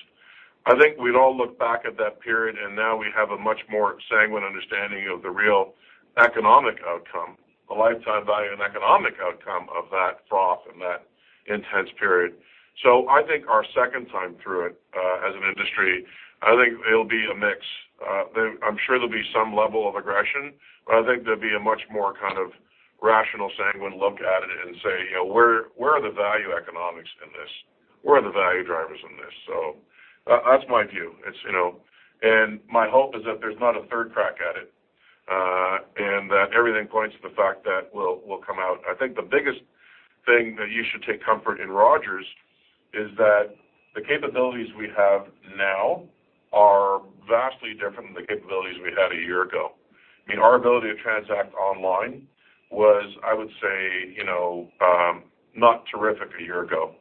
I think we'd all look back at that period, and now we have a much more sanguine understanding of the real economic outcome, the lifetime value and economic outcome of that froth and that intense period. So I think our second time through it as an industry, I think it'll be a mix. I'm sure there'll be some level of aggression, but I think there'll be a much more kind of rational, sanguine look at it and say, "Where are the value economics in this? Where are the value drivers in this?" So that's my view. And my hope is that there's not a third crack at it and that everything points to the fact that we'll come out. I think the biggest thing that you should take comfort in Rogers is that the capabilities we have now are vastly different than the capabilities we had a year ago. I mean, our ability to transact online was, I would say, not terrific a year ago.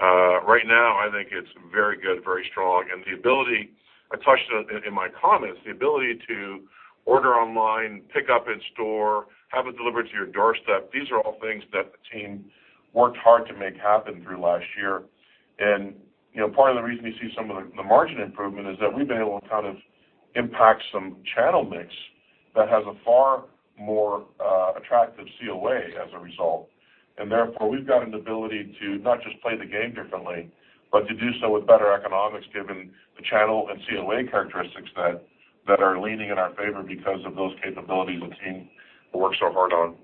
Right now, I think it's very good, very strong. And the ability I touched on in my comments, the ability to order online, pick up in store, have it delivered to your doorstep, these are all things that the team worked hard to make happen through last year. Part of the reason you see some of the margin improvement is that we've been able to kind of impact some channel mix that has a far more attractive COA as a result. And therefore, we've got an ability to not just play the game differently, but to do so with better economics given the channel and COA characteristics that are leaning in our favor because of those capabilities the team worked so hard on.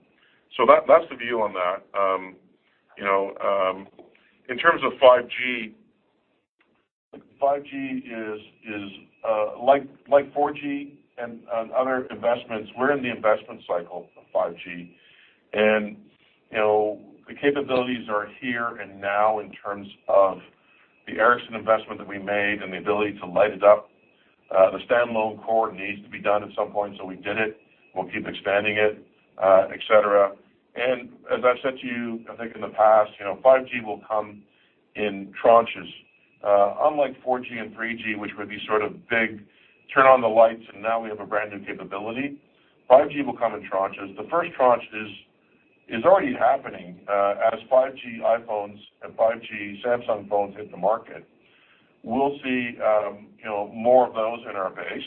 So that's the view on that. In terms of 5G, 5G is like 4G and other investments. We're in the investment cycle of 5G. And the capabilities are here and now in terms of the Ericsson investment that we made and the ability to light it up. The standalone core needs to be done at some point, so we did it. We'll keep expanding it, etc. As I've said to you, I think in the past, 5G will come in tranches. Unlike 4G and 3G, which would be sort of big, turn on the lights, and now we have a brand new capability, 5G will come in tranches. The first tranche is already happening. As 5G iPhones and 5G Samsung phones hit the market, we'll see more of those in our base.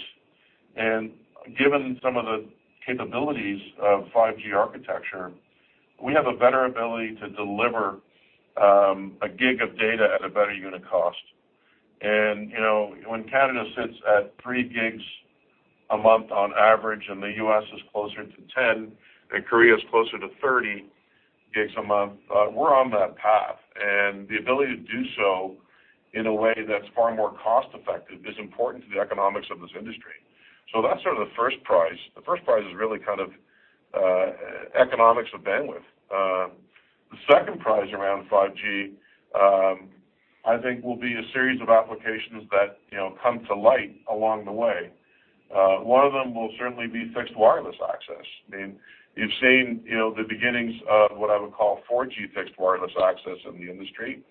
And given some of the capabilities of 5G architecture, we have a better ability to deliver a gig of data at a better unit cost. And when Canada sits at three gigs a month on average and the U.S. is closer to 10 and Korea is closer to 30 gigs a month, we're on that path. And the ability to do so in a way that's far more cost-effective is important to the economics of this industry. So that's sort of the first prize. The first prize is really kind of economics of bandwidth. The second prize around 5G, I think, will be a series of applications that come to light along the way. One of them will certainly be fixed wireless access. I mean, you've seen the beginnings of what I would call 4G fixed wireless access in the industry.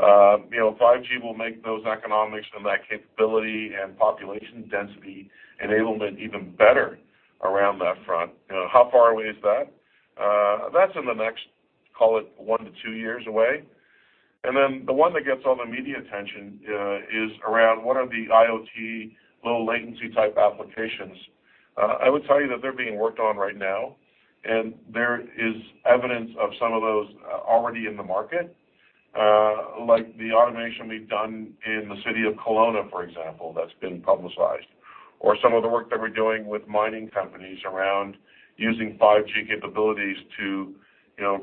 5G will make those economics and that capability and population density enablement even better around that front. How far away is that? That's in the next, call it, one to two years away. And then the one that gets all the media attention is around what are the IoT low-latency type applications. I would tell you that they're being worked on right now, and there is evidence of some of those already in the market, like the automation we've done in the city of Kelowna, for example, that's been publicized, or some of the work that we're doing with mining companies around using 5G capabilities to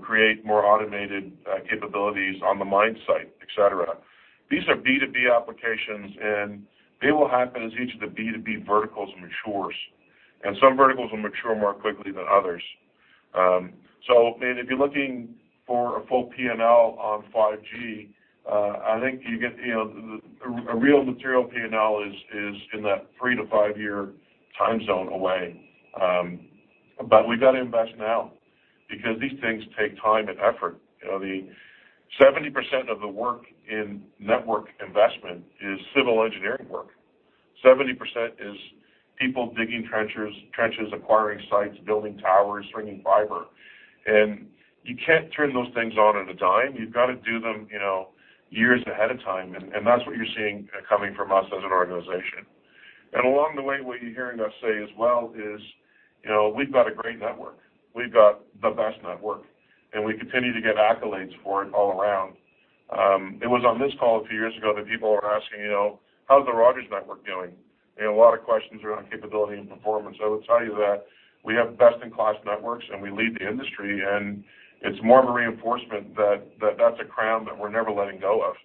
create more automated capabilities on the mine site, etc. These are B2B applications, and they will happen as each of the B2B verticals matures. Some verticals will mature more quickly than others. If you're looking for a full P&L on 5G, I think you get a real material P&L is in that three to five-year time zone away. We've got to invest now because these things take time and effort. 70% of the work in network investment is civil engineering work. 70% is people digging trenches, acquiring sites, building towers, stringing fiber. You can't turn those things on at a dime. You've got to do them years ahead of time. That's what you're seeing coming from us as an organization. Along the way, what you're hearing us say as well is we've got a great network. We've got the best network, and we continue to get accolades for it all around. It was on this call a few years ago that people were asking, "How's the Rogers network doing?" A lot of questions around capability and performance. I would tell you that we have best-in-class networks, and we lead the industry. It's more of a reinforcement that that's a crown that we're never letting go of.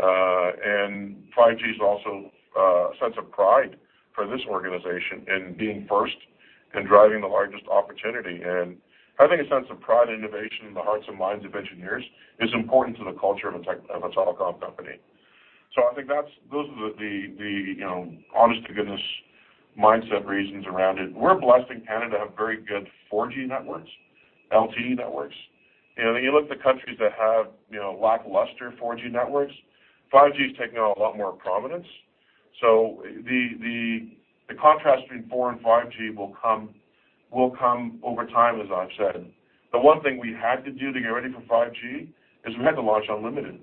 5G is also a sense of pride for this organization in being first and driving the largest opportunity. Having a sense of pride and innovation in the hearts and minds of engineers is important to the culture of a telecom company. So I think those are the honest-to-goodness mindset reasons around it. We're blessed in Canada to have very good 4G networks, LTE networks. And then you look at the countries that have lackluster 4G networks, 5G is taking on a lot more prominence. So the contrast between 4 and 5G will come over time, as I've said. The one thing we had to do to get ready for 5G is we had to launch unlimited.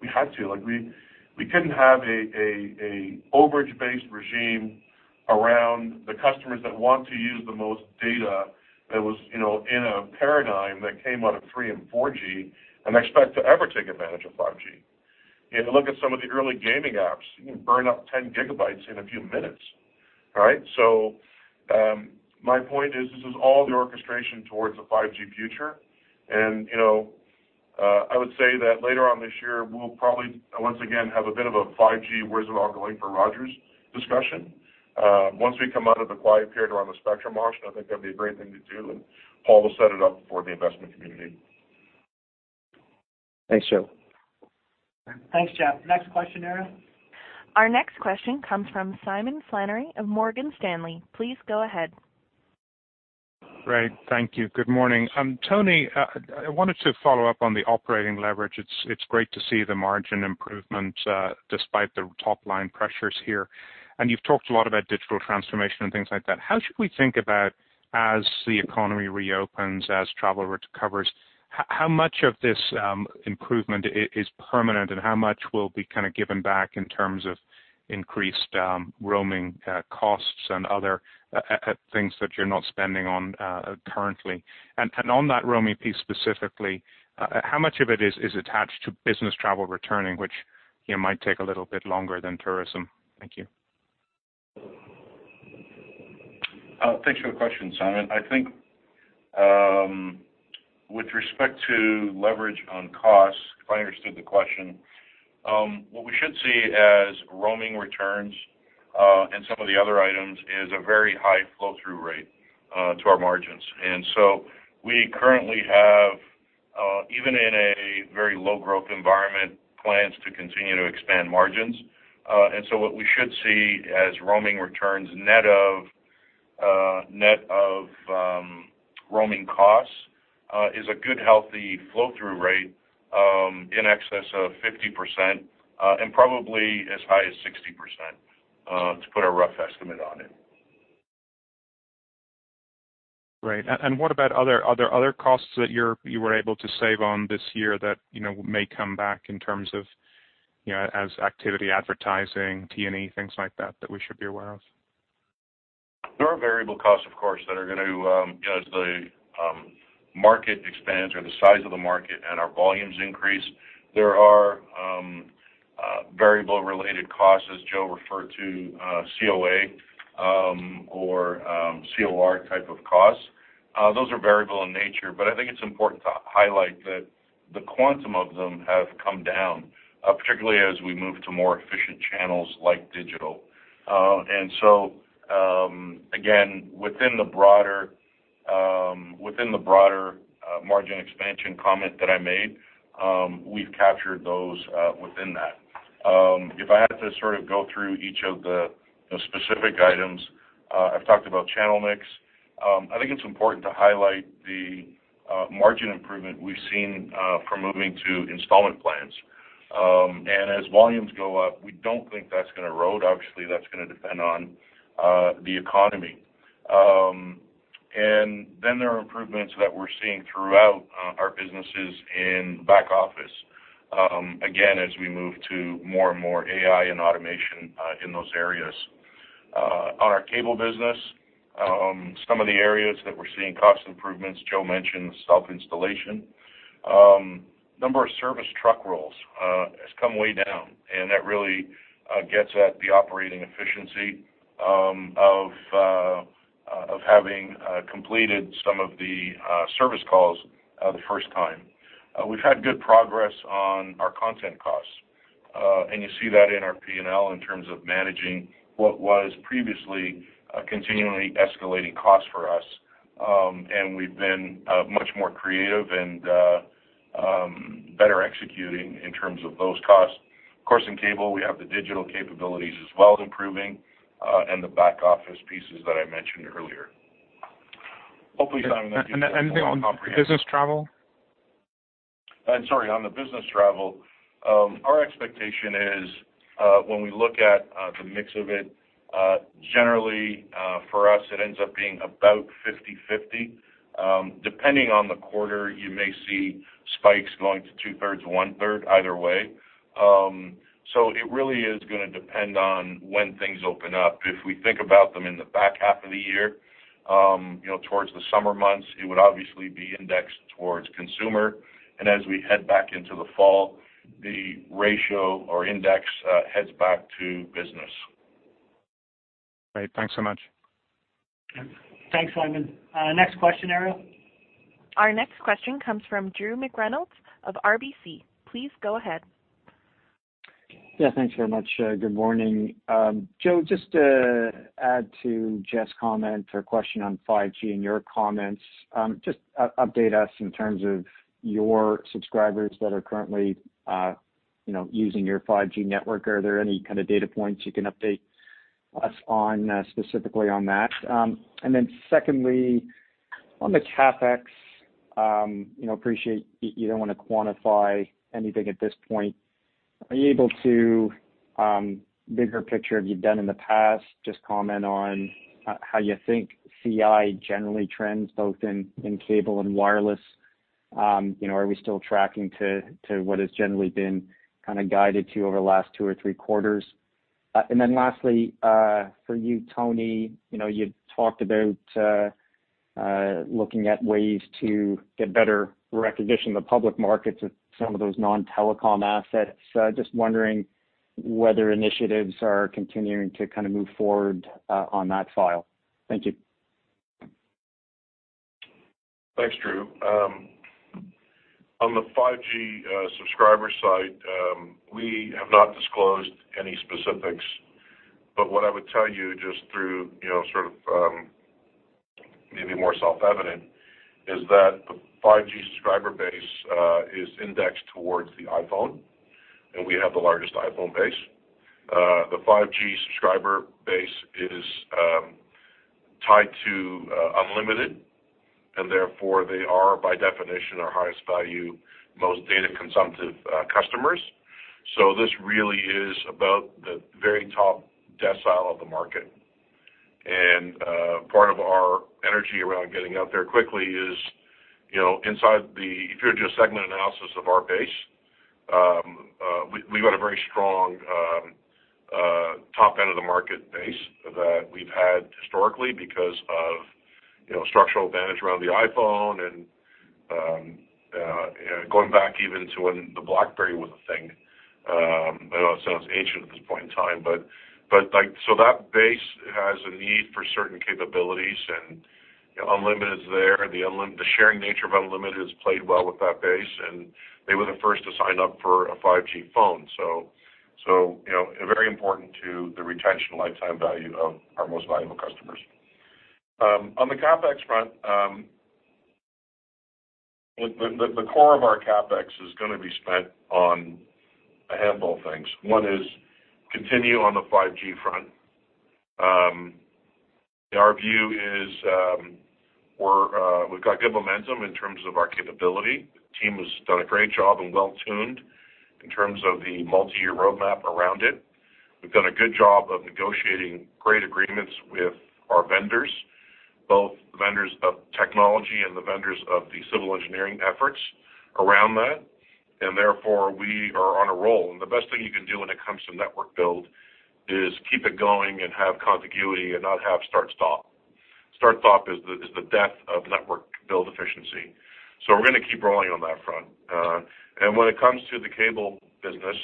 We had to. We couldn't have an overage-based regime around the customers that want to use the most data that was in a paradigm that came out of 3 and 4G and expect to ever take advantage of 5G. Look at some of the early gaming apps. You can burn up 10 gigabytes in a few minutes, right? So my point is this is all the orchestration towards a 5G future. And I would say that later on this year, we'll probably once again have a bit of a 5G, where's it all going for Rogers discussion. Once we come out of the quiet period around the spectrum auction, I think that'd be a great thing to do, and Paul will set it up for the investment community. Thanks, Joe. Thanks, Jeff. Next question, Ariel. Our next question comes from Simon Flannery of Morgan Stanley. Please go ahead. Great. Thank you. Good morning. Tony, I wanted to follow up on the operating leverage. It's great to see the margin improvement despite the top-line pressures here. And you've talked a lot about digital transformation and things like that. How should we think about as the economy reopens, as travel recovers? How much of this improvement is permanent, and how much will be kind of given back in terms of increased roaming costs and other things that you're not spending on currently? And on that roaming piece specifically, how much of it is attached to business travel returning, which might take a little bit longer than tourism? Thank you. Thanks for the question, Simon. I think with respect to leverage on costs, if I understood the question, what we should see as roaming returns and some of the other items is a very high flow-through rate to our margins. And so we currently have, even in a very low-growth environment, plans to continue to expand margins. And so what we should see as roaming returns net of roaming costs is a good, healthy flow-through rate in excess of 50% and probably as high as 60%, to put a rough estimate on it. Right. And what about other costs that you were able to save on this year that may come back in terms of activity advertising, T&E, things like that that we should be aware of? There are variable costs, of course, that are going to, as the market expands or the size of the market and our volumes increase. There are variable-related costs, as Joe referred to, COA or COR type of costs. Those are variable in nature, but I think it's important to highlight that the quantum of them have come down, particularly as we move to more efficient channels like digital. And so, again, within the broader margin expansion comment that I made, we've captured those within that. If I had to sort of go through each of the specific items, I've talked about channel mix. I think it's important to highlight the margin improvement we've seen from moving to installment plans. And as volumes go up, we don't think that's going to erode. Obviously, that's going to depend on the economy. And then there are improvements that we're seeing throughout our businesses in back office, again, as we move to more and more AI and automation in those areas. On our cable business, some of the areas that we're seeing cost improvements, Joe mentioned self-installation. The number of service truck rolls has come way down, and that really gets at the operating efficiency of having completed some of the service calls the first time. We've had good progress on our content costs, and you see that in our P&L in terms of managing what was previously a continually escalating cost for us, and we've been much more creative and better executing in terms of those costs. Of course, in cable, we have the digital capabilities as well improving and the back office pieces that I mentioned earlier. Hopefully, Simon, that gives you some comprehension. And anything on business travel? Sorry, on the business travel, our expectation is when we look at the mix of it, generally, for us, it ends up being about 50/50. Depending on the quarter, you may see spikes going to two-thirds, one-third, either way. So it really is going to depend on when things open up. If we think about them in the back half of the year, towards the summer months, it would obviously be indexed towards consumer. And as we head back into the fall, the ratio or index heads back to business. Great. Thanks so much. Thanks, Simon. Next question, Ariel. Our next question comes from Drew McReynolds of RBC. Please go ahead. Yeah. Thanks very much. Good morning. Joe, just to add to Jeff's comment or question on 5G and your comments, just update us in terms of your subscribers that are currently using your 5G network. Are there any kind of data points you can update us on specifically on that? And then secondly, on the CapEx, appreciate you don't want to quantify anything at this point. Are you able to give a bigger picture of what you've done in the past? Just comment on how you think Opex generally trends both in cable and wireless. Are we still tracking to what has generally been kind of guided to over the last two or three quarters? And then lastly, for you, Tony, you talked about looking at ways to get better recognition in the public markets of some of those non-telecom assets. Just wondering whether initiatives are continuing to kind of move forward on that file. Thank you. Thanks, Drew. On the 5G subscriber side, we have not disclosed any specifics. But what I would tell you just through sort of maybe more self-evident is that the 5G subscriber base is indexed towards the iPhone, and we have the largest iPhone base. The 5G subscriber base is tied to unlimited, and therefore, they are, by definition, our highest value, most data-consumptive customers. So this really is about the very top decile of the market. And part of our energy around getting out there quickly is inside the if you're to do a segment analysis of our base. We've got a very strong top end of the market base that we've had historically because of structural advantage around the iPhone and going back even to when the BlackBerry was a thing. I know it sounds ancient at this point in time, but so that base has a need for certain capabilities, and unlimited is there. The sharing nature of unlimited has played well with that base, and they were the first to sign up for a 5G phone. So very important to the retention lifetime value of our most valuable customers. On the CapEx front, the core of our CapEx is going to be spent on a handful of things. One is continue on the 5G front. Our view is we've got good momentum in terms of our capability. The team has done a great job and well-tuned in terms of the multi-year roadmap around it. We've done a good job of negotiating great agreements with our vendors, both the vendors of technology and the vendors of the civil engineering efforts around that. And therefore, we are on a roll. And the best thing you can do when it comes to network build is keep it going and have contiguity and not have start-stop. Start-stop is the death of network build efficiency. So we're going to keep rolling on that front. And when it comes to the cable business,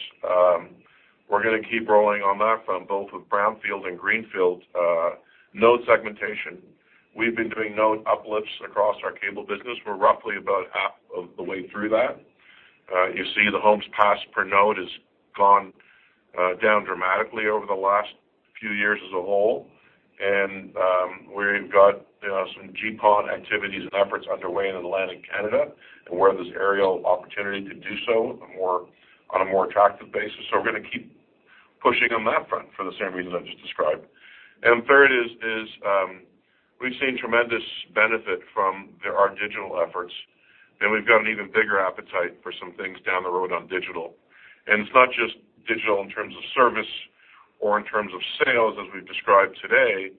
we're going to keep rolling on that front, both with brownfield and greenfield node segmentation. We've been doing node uplifts across our cable business. We're roughly about half of the way through that. You see the homes pass per node has gone down dramatically over the last few years as a whole. And we've got some GPON activities and efforts underway inland in Canada and where there's aerial opportunity to do so on a more attractive basis. So we're going to keep pushing on that front for the same reasons I just described. And third is we've seen tremendous benefit from our digital efforts, and we've got an even bigger appetite for some things down the road on digital. And it's not just digital in terms of service or in terms of sales, as we've described today,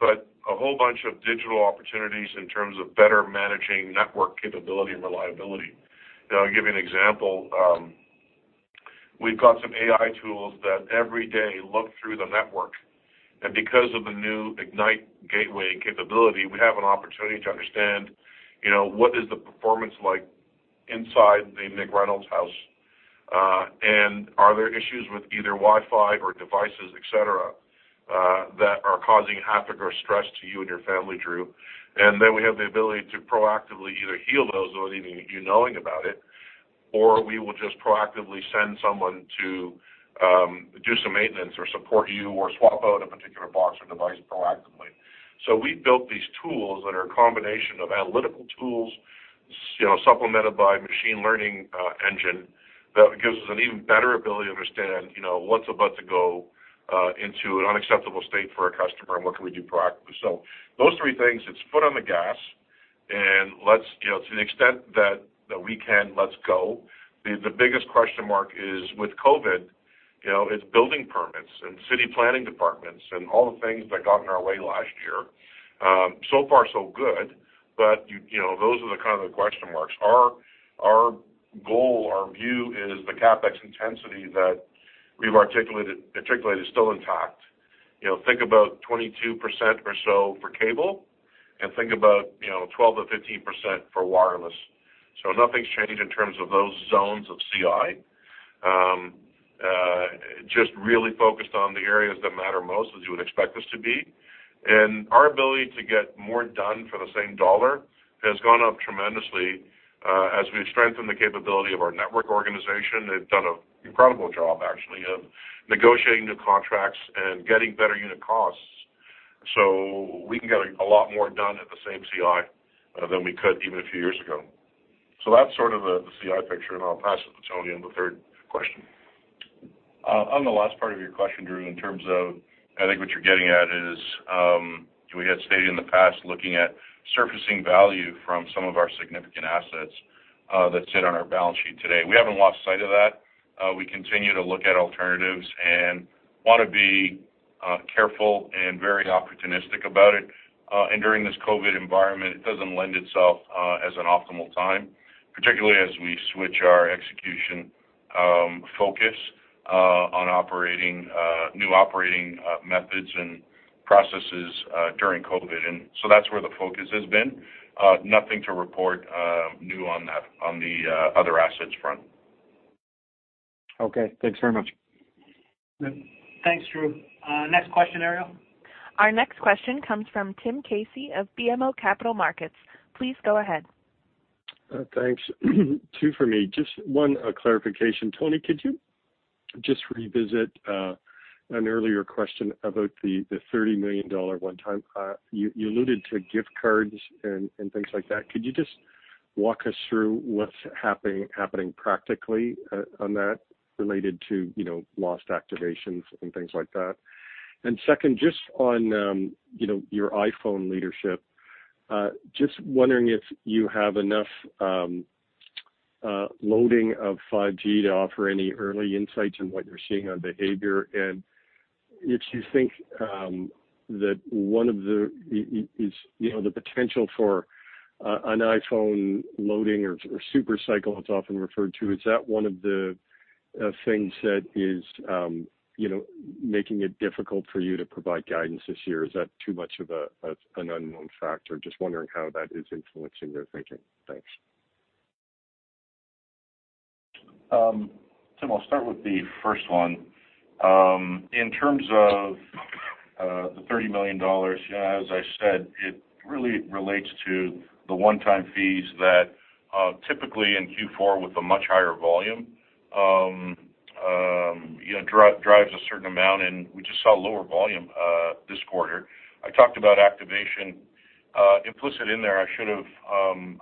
but a whole bunch of digital opportunities in terms of better managing network capability and reliability. I'll give you an example. We've got some AI tools that every day look through the network. Because of the new Ignite Gateway capability, we have an opportunity to understand what is the performance like inside the McReynolds house, and are there issues with either Wi-Fi or devices, etc., that are causing hiccups or stress to you and your family, Drew? Then we have the ability to proactively either heal those without even you knowing about it, or we will just proactively send someone to do some maintenance or support you or swap out a particular box or device proactively. We've built these tools that are a combination of analytical tools supplemented by a machine learning engine that gives us an even better ability to understand what's about to go into an unacceptable state for our customer and what can we do proactively. Those three things, it's foot on the gas, and to the extent that we can, let's go. The biggest question mark is with COVID. It's building permits and city planning departments and all the things that got in our way last year. So far, so good, but those are the kind of the question marks. Our goal, our view is the CapEx intensity that we've articulated is still intact. Think about 22% or so for cable, and think about 12%-15% for wireless. So nothing's changed in terms of those zones of CI. Just really focused on the areas that matter most, as you would expect us to be, and our ability to get more done for the same dollar has gone up tremendously as we've strengthened the capability of our network organization. They've done an incredible job, actually, of negotiating new contracts and getting better unit costs so we can get a lot more done at the same CapEx than we could even a few years ago. So that's sort of the CapEx picture, and I'll pass it to Tony on the third question. On the last part of your question, Drew, in terms of I think what you're getting at is we had stated in the past looking at surfacing value from some of our significant assets that sit on our balance sheet today. We haven't lost sight of that. We continue to look at alternatives and want to be careful and very opportunistic about it. And during this COVID environment, it doesn't lend itself as an optimal time, particularly as we switch our execution focus on new operating methods and processes during COVID. And so that's where the focus has been. Nothing to report new on the other assets front. Okay. Thanks very much. Thanks, Drew. Next question, Ariel. Our next question comes from Tim Casey of BMO Capital Markets. Please go ahead. Thanks. Two for me. Just one clarification. Tony, could you just revisit an earlier question about the 30 million dollar one-time? You alluded to gift cards and things like that. Could you just walk us through what's happening practically on that related to lost activations and things like that? And second, just on your iPhone leadership, just wondering if you have enough loading of 5G to offer any early insights on what you're seeing on behavior? If you think that one of the things is the potential for an iPhone supercycle, it's often referred to, is that one of the things that is making it difficult for you to provide guidance this year? Is that too much of an unknown factor? Just wondering how that is influencing your thinking. Thanks. Tim, I'll start with the first one. In terms of the 30 million dollars, as I said, it really relates to the one-time fees that typically in Q4 with a much higher volume drives a certain amount, and we just saw lower volume this quarter. I talked about activation implicit in there. I should have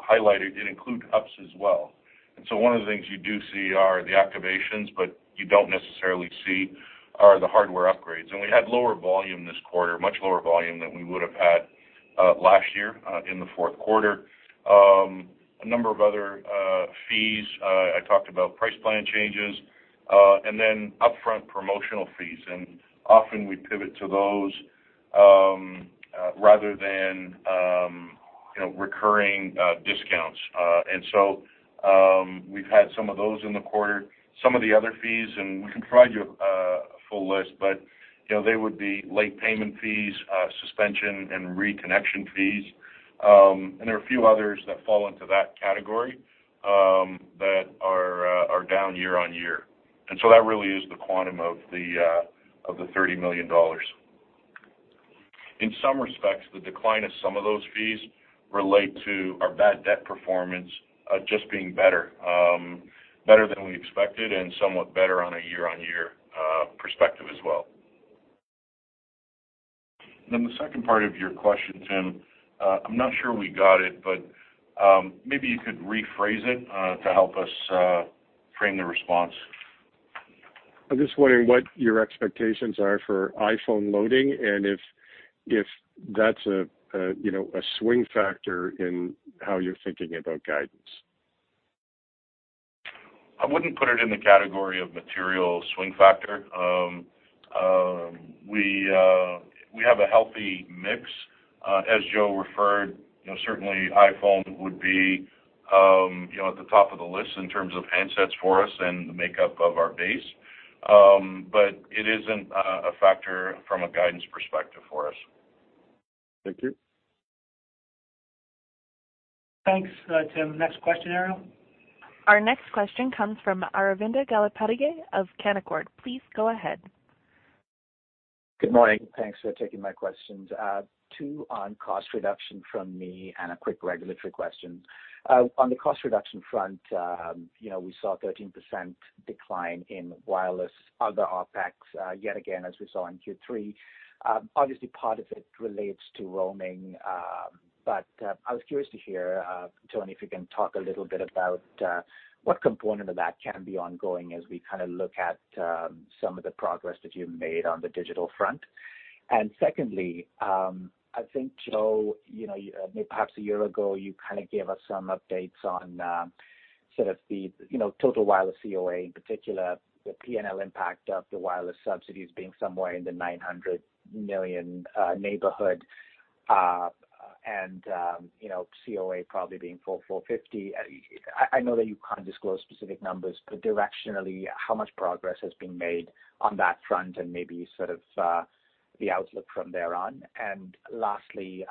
highlighted it includes ups as well. And so one of the things you do see are the activations, but you don't necessarily see the hardware upgrades. We had lower volume this quarter, much lower volume than we would have had last year in the Q4. A number of other fees. I talked about price plan changes and then upfront promotional fees. Often we pivot to those rather than recurring discounts. So we've had some of those in the quarter. Some of the other fees, and we can provide you a full list, but they would be late payment fees, suspension, and reconnection fees. There are a few others that fall into that category that are down year on year. That really is the quantum of the 30 million dollars. In some respects, the decline of some of those fees relates to our bad debt performance just being better than we expected and somewhat better on a year-on-year perspective as well. And then the second part of your question, Tim, I'm not sure we got it, but maybe you could rephrase it to help us frame the response. I'm just wondering what your expectations are for iPhone loading and if that's a swing factor in how you're thinking about guidance. I wouldn't put it in the category of material swing factor. We have a healthy mix. As Joe referred, certainly iPhone would be at the top of the list in terms of handsets for us and the makeup of our base. But it isn't a factor from a guidance perspective for us. Thank you. Thanks, Tim. Next question, Ariel. Our next question comes from Aravinda Galappatthige of Canaccord. Please go ahead. Good morning. Thanks for taking my questions. Two on cost reduction from me and a quick regulatory question. On the cost reduction front, we saw a 13% decline in wireless, other OpEx, yet again, as we saw in Q3. Obviously, part of it relates to roaming, but I was curious to hear, Tony, if you can talk a little bit about what component of that can be ongoing as we kind of look at some of the progress that you've made on the digital front. And secondly, I think, Joe, maybe perhaps a year ago, you kind of gave us some updates on sort of the total wireless COA in particular, the P&L impact of the wireless subsidies being somewhere in the 900 million neighborhood and COA probably being 4,450. I know that you can't disclose specific numbers, but directionally, how much progress has been made on that front and maybe sort of the outlook from there on? And lastly,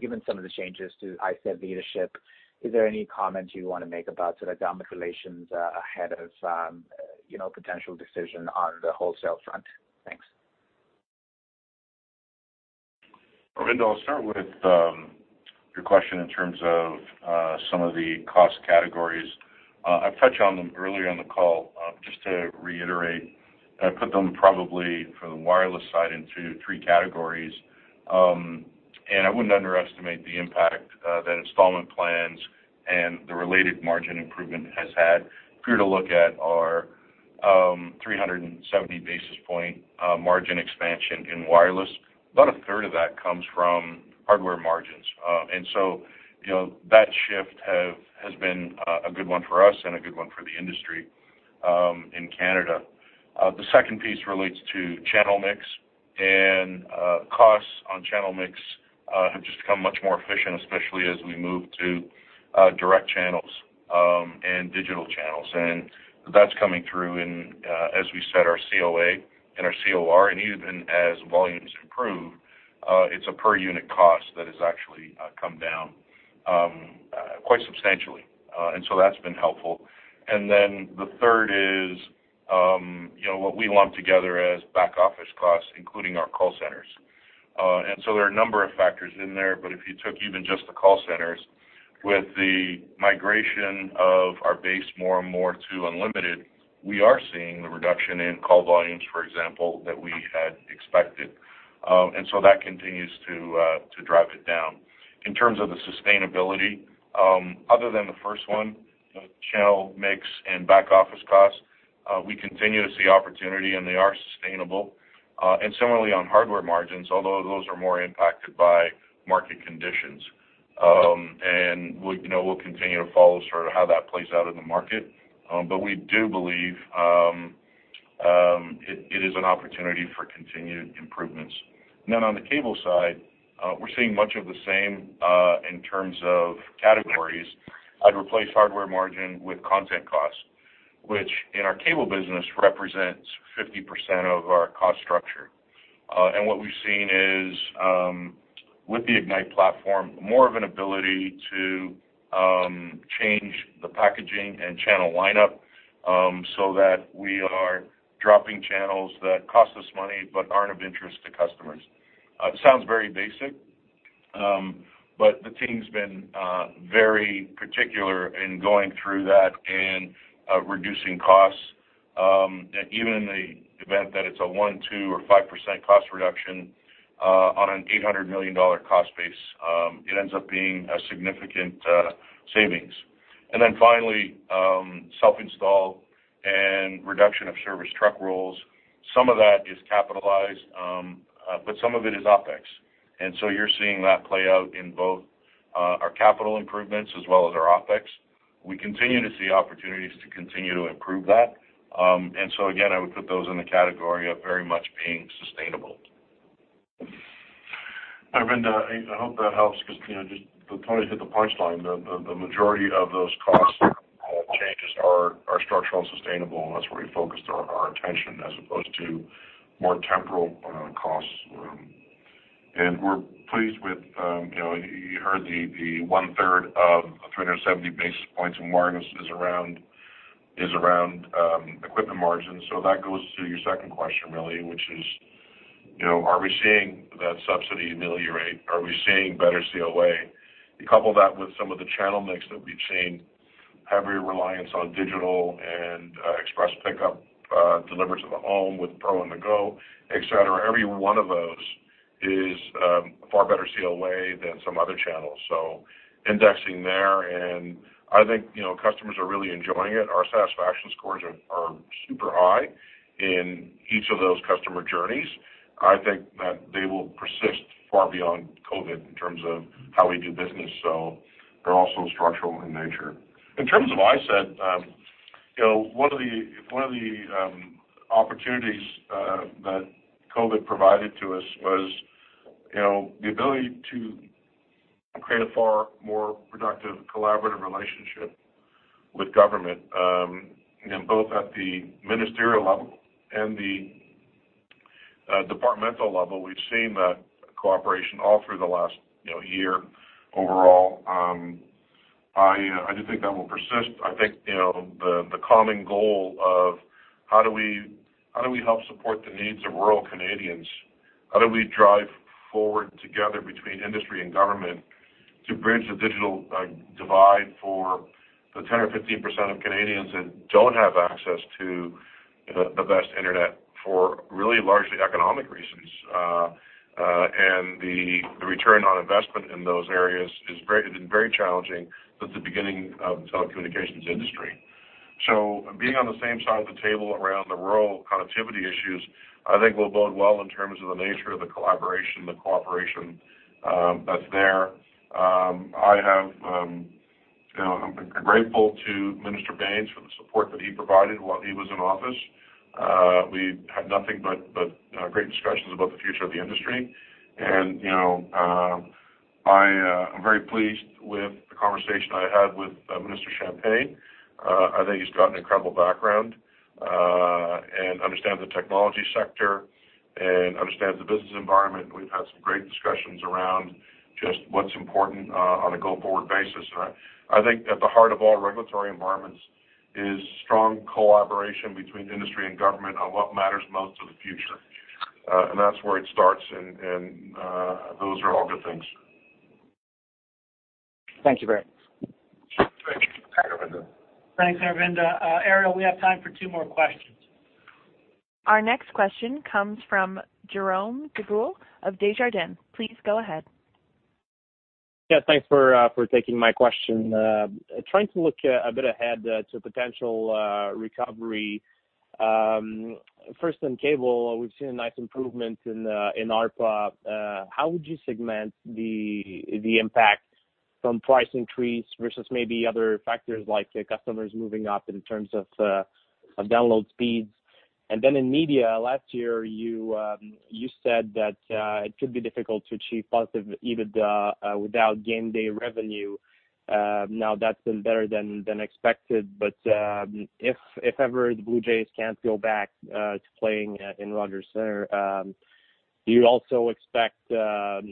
given some of the changes to ISED leadership, is there any comment you want to make about sort of government relations ahead of potential decision on the wholesale front? Thanks. Aravinda, I'll start with your question in terms of some of the cost categories. I've touched on them earlier on the call. Just to reiterate, I put them probably for the wireless side into three categories. And I wouldn't underestimate the impact that installment plans and the related margin improvement has had. If you were to look at our 370 basis point margin expansion in wireless, about a third of that comes from hardware margins. And so that shift has been a good one for us and a good one for the industry in Canada. The second piece relates to channel mix, and costs on channel mix have just become much more efficient, especially as we move to direct channels and digital channels. And that's coming through in, as we said, our COA and our COR. And even as volumes improve, it's a per-unit cost that has actually come down quite substantially. And so that's been helpful. And then the third is what we lump together as back-office costs, including our call centers. And so there are a number of factors in there, but if you took even just the call centers, with the migration of our base more and more to unlimited, we are seeing the reduction in call volumes, for example, that we had expected. And so that continues to drive it down. In terms of the sustainability, other than the first one, channel mix and back-office costs, we continue to see opportunity, and they are sustainable, and similarly, on hardware margins, although those are more impacted by market conditions, and we'll continue to follow sort of how that plays out in the market, but we do believe it is an opportunity for continued improvements, and then on the cable side, we're seeing much of the same in terms of categories. I'd replace hardware margin with content costs, which in our cable business represents 50% of our cost structure, and what we've seen is, with the Ignite platform, more of an ability to change the packaging and channel lineup so that we are dropping channels that cost us money but aren't of interest to customers. It sounds very basic, but the team's been very particular in going through that and reducing costs. Even in the event that it's a 1, 2, or 5% cost reduction on a 800 million dollar cost base, it ends up being a significant savings. And then finally, self-install and reduction of service truck rolls. Some of that is capitalized, but some of it is OpEx. And so you're seeing that play out in both our capital improvements as well as our OpEx. We continue to see opportunities to continue to improve that. And so again, I would put those in the category of very much being sustainable. Aravinda, I hope that helps because just then Tony hit the punchline. The majority of those cost changes are structural and sustainable, and that's where we focused our attention as opposed to more temporal costs. And we're pleased with what you heard the one-third of 370 basis points in wireless is around equipment margins. So that goes to your second question, really, which is, are we seeing that subsidy ameliorate? Are we seeing better COA? You couple that with some of the channel mix that we've seen, heavier reliance on digital and express pickup delivered to the home with Pro On-the-Go, etc. Every one of those is a far better COA than some other channels. So indexing there, and I think customers are really enjoying it. Our satisfaction scores are super high in each of those customer journeys. I think that they will persist far beyond COVID in terms of how we do business. So they're also structural in nature. In terms of ISED, one of the opportunities that COVID provided to us was the ability to create a far more productive collaborative relationship with government, both at the ministerial level and the departmental level. We've seen that cooperation all through the last year overall. I do think that will persist. I think the common goal of how do we help support the needs of rural Canadians? How do we drive forward together between industry and government to bridge the digital divide for the 10% or 15% of Canadians that don't have access to the best internet for really largely economic reasons, and the return on investment in those areas has been very challenging since the beginning of the telecommunications industry, so being on the same side of the table around the rural connectivity issues, I think will bode well in terms of the nature of the collaboration, the cooperation that's there. I'm grateful to Minister Baines for the support that he provided while he was in office. We had nothing but great discussions about the future of the industry. And I'm very pleased with the conversation I had with Minister Champagne. I think he's got an incredible background and understands the technology sector and understands the business environment. We've had some great discussions around just what's important on a go-forward basis. And I think at the heart of all regulatory environments is strong collaboration between industry and government on what matters most to the future. And that's where it starts, and those are all good things. Thank you very much. Thanks, Aravinda. Thanks, Aravinda. Ariel, we have time for two more questions. Our next question comes from Jerome Dubreuil of Desjardins. Please go ahead. Yeah, thanks for taking my question. Trying to look a bit ahead to potential recovery. First, in cable, we've seen a nice improvement in ARPA. How would you segment the impact from price increase versus maybe other factors like customers moving up in terms of download speeds? And then in media, last year, you said that it could be difficult to achieve positive EBITDA without game day revenue. Now, that's been better than expected. But if ever the Blue Jays can't go back to playing in Rogers Centre, do you also expect a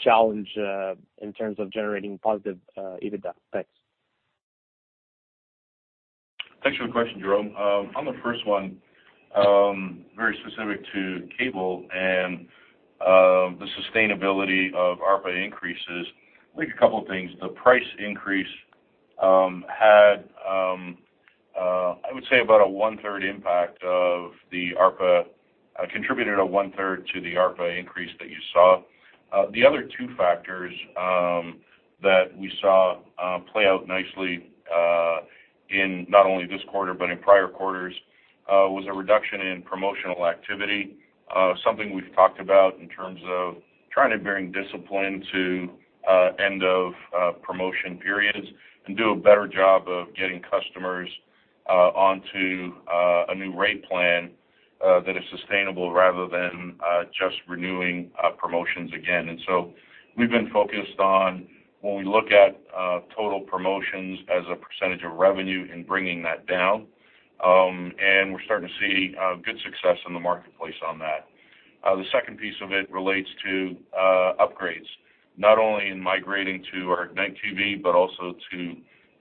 challenge in terms of generating positive EBITDA? Thanks. Thanks for the question, Jerome. On the first one, very specific to cable and the sustainability of ARPA increases, I think a couple of things. The price increase had, I would say, about a one-third impact of the ARPA contributed a one-third to the ARPA increase that you saw. The other two factors that we saw play out nicely in not only this quarter but in prior quarters was a reduction in promotional activity, something we've talked about in terms of trying to bring discipline to end-of-promotion periods and do a better job of getting customers onto a new rate plan that is sustainable rather than just renewing promotions again, and so we've been focused on when we look at total promotions as a percentage of revenue and bringing that down, and we're starting to see good success in the marketplace on that. The second piece of it relates to upgrades, not only in migrating to our Ignite TV but also to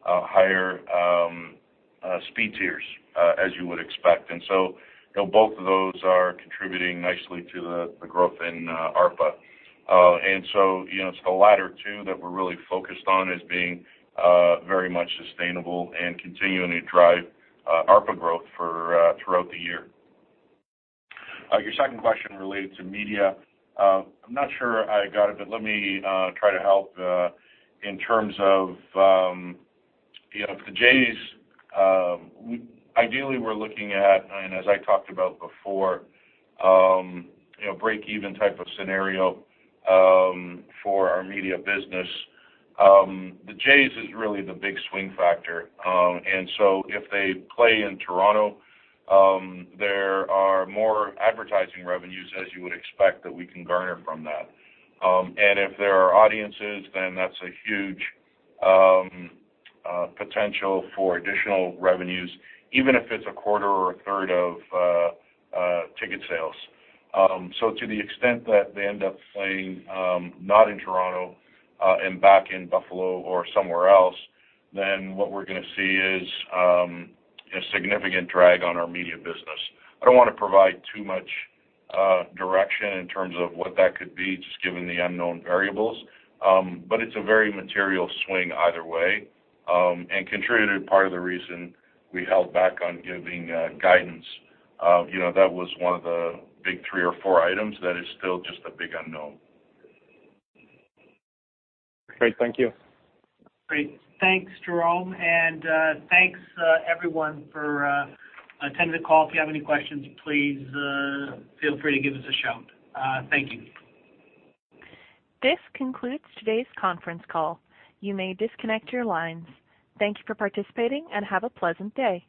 higher speed tiers, as you would expect. And so both of those are contributing nicely to the growth in ARPA. And so it's the latter two that we're really focused on as being very much sustainable and continuing to drive ARPA growth throughout the year. Your second question related to media, I'm not sure I got it, but let me try to help in terms of the Jays. Ideally, we're looking at, and as I talked about before, a break-even type of scenario for our media business. The Jays is really the big swing factor. And so if they play in Toronto, there are more advertising revenues, as you would expect, that we can garner from that. And if there are audiences, then that's a huge potential for additional revenues, even if it's a quarter or a third of ticket sales. So to the extent that they end up playing not in Toronto and back in Buffalo or somewhere else, then what we're going to see is a significant drag on our media business. I don't want to provide too much direction in terms of what that could be, just given the unknown variables. But it's a very material swing either way and contributed part of the reason we held back on giving guidance. That was one of the big three or four items that is still just a big unknown. Great. Thank you. Great. Thanks, Jerome. And thanks, everyone, for attending the call. If you have any questions, please feel free to give us a shout. Thank you. This concludes today's conference call. You may disconnect your lines. Thank you for participating and have a pleasant day.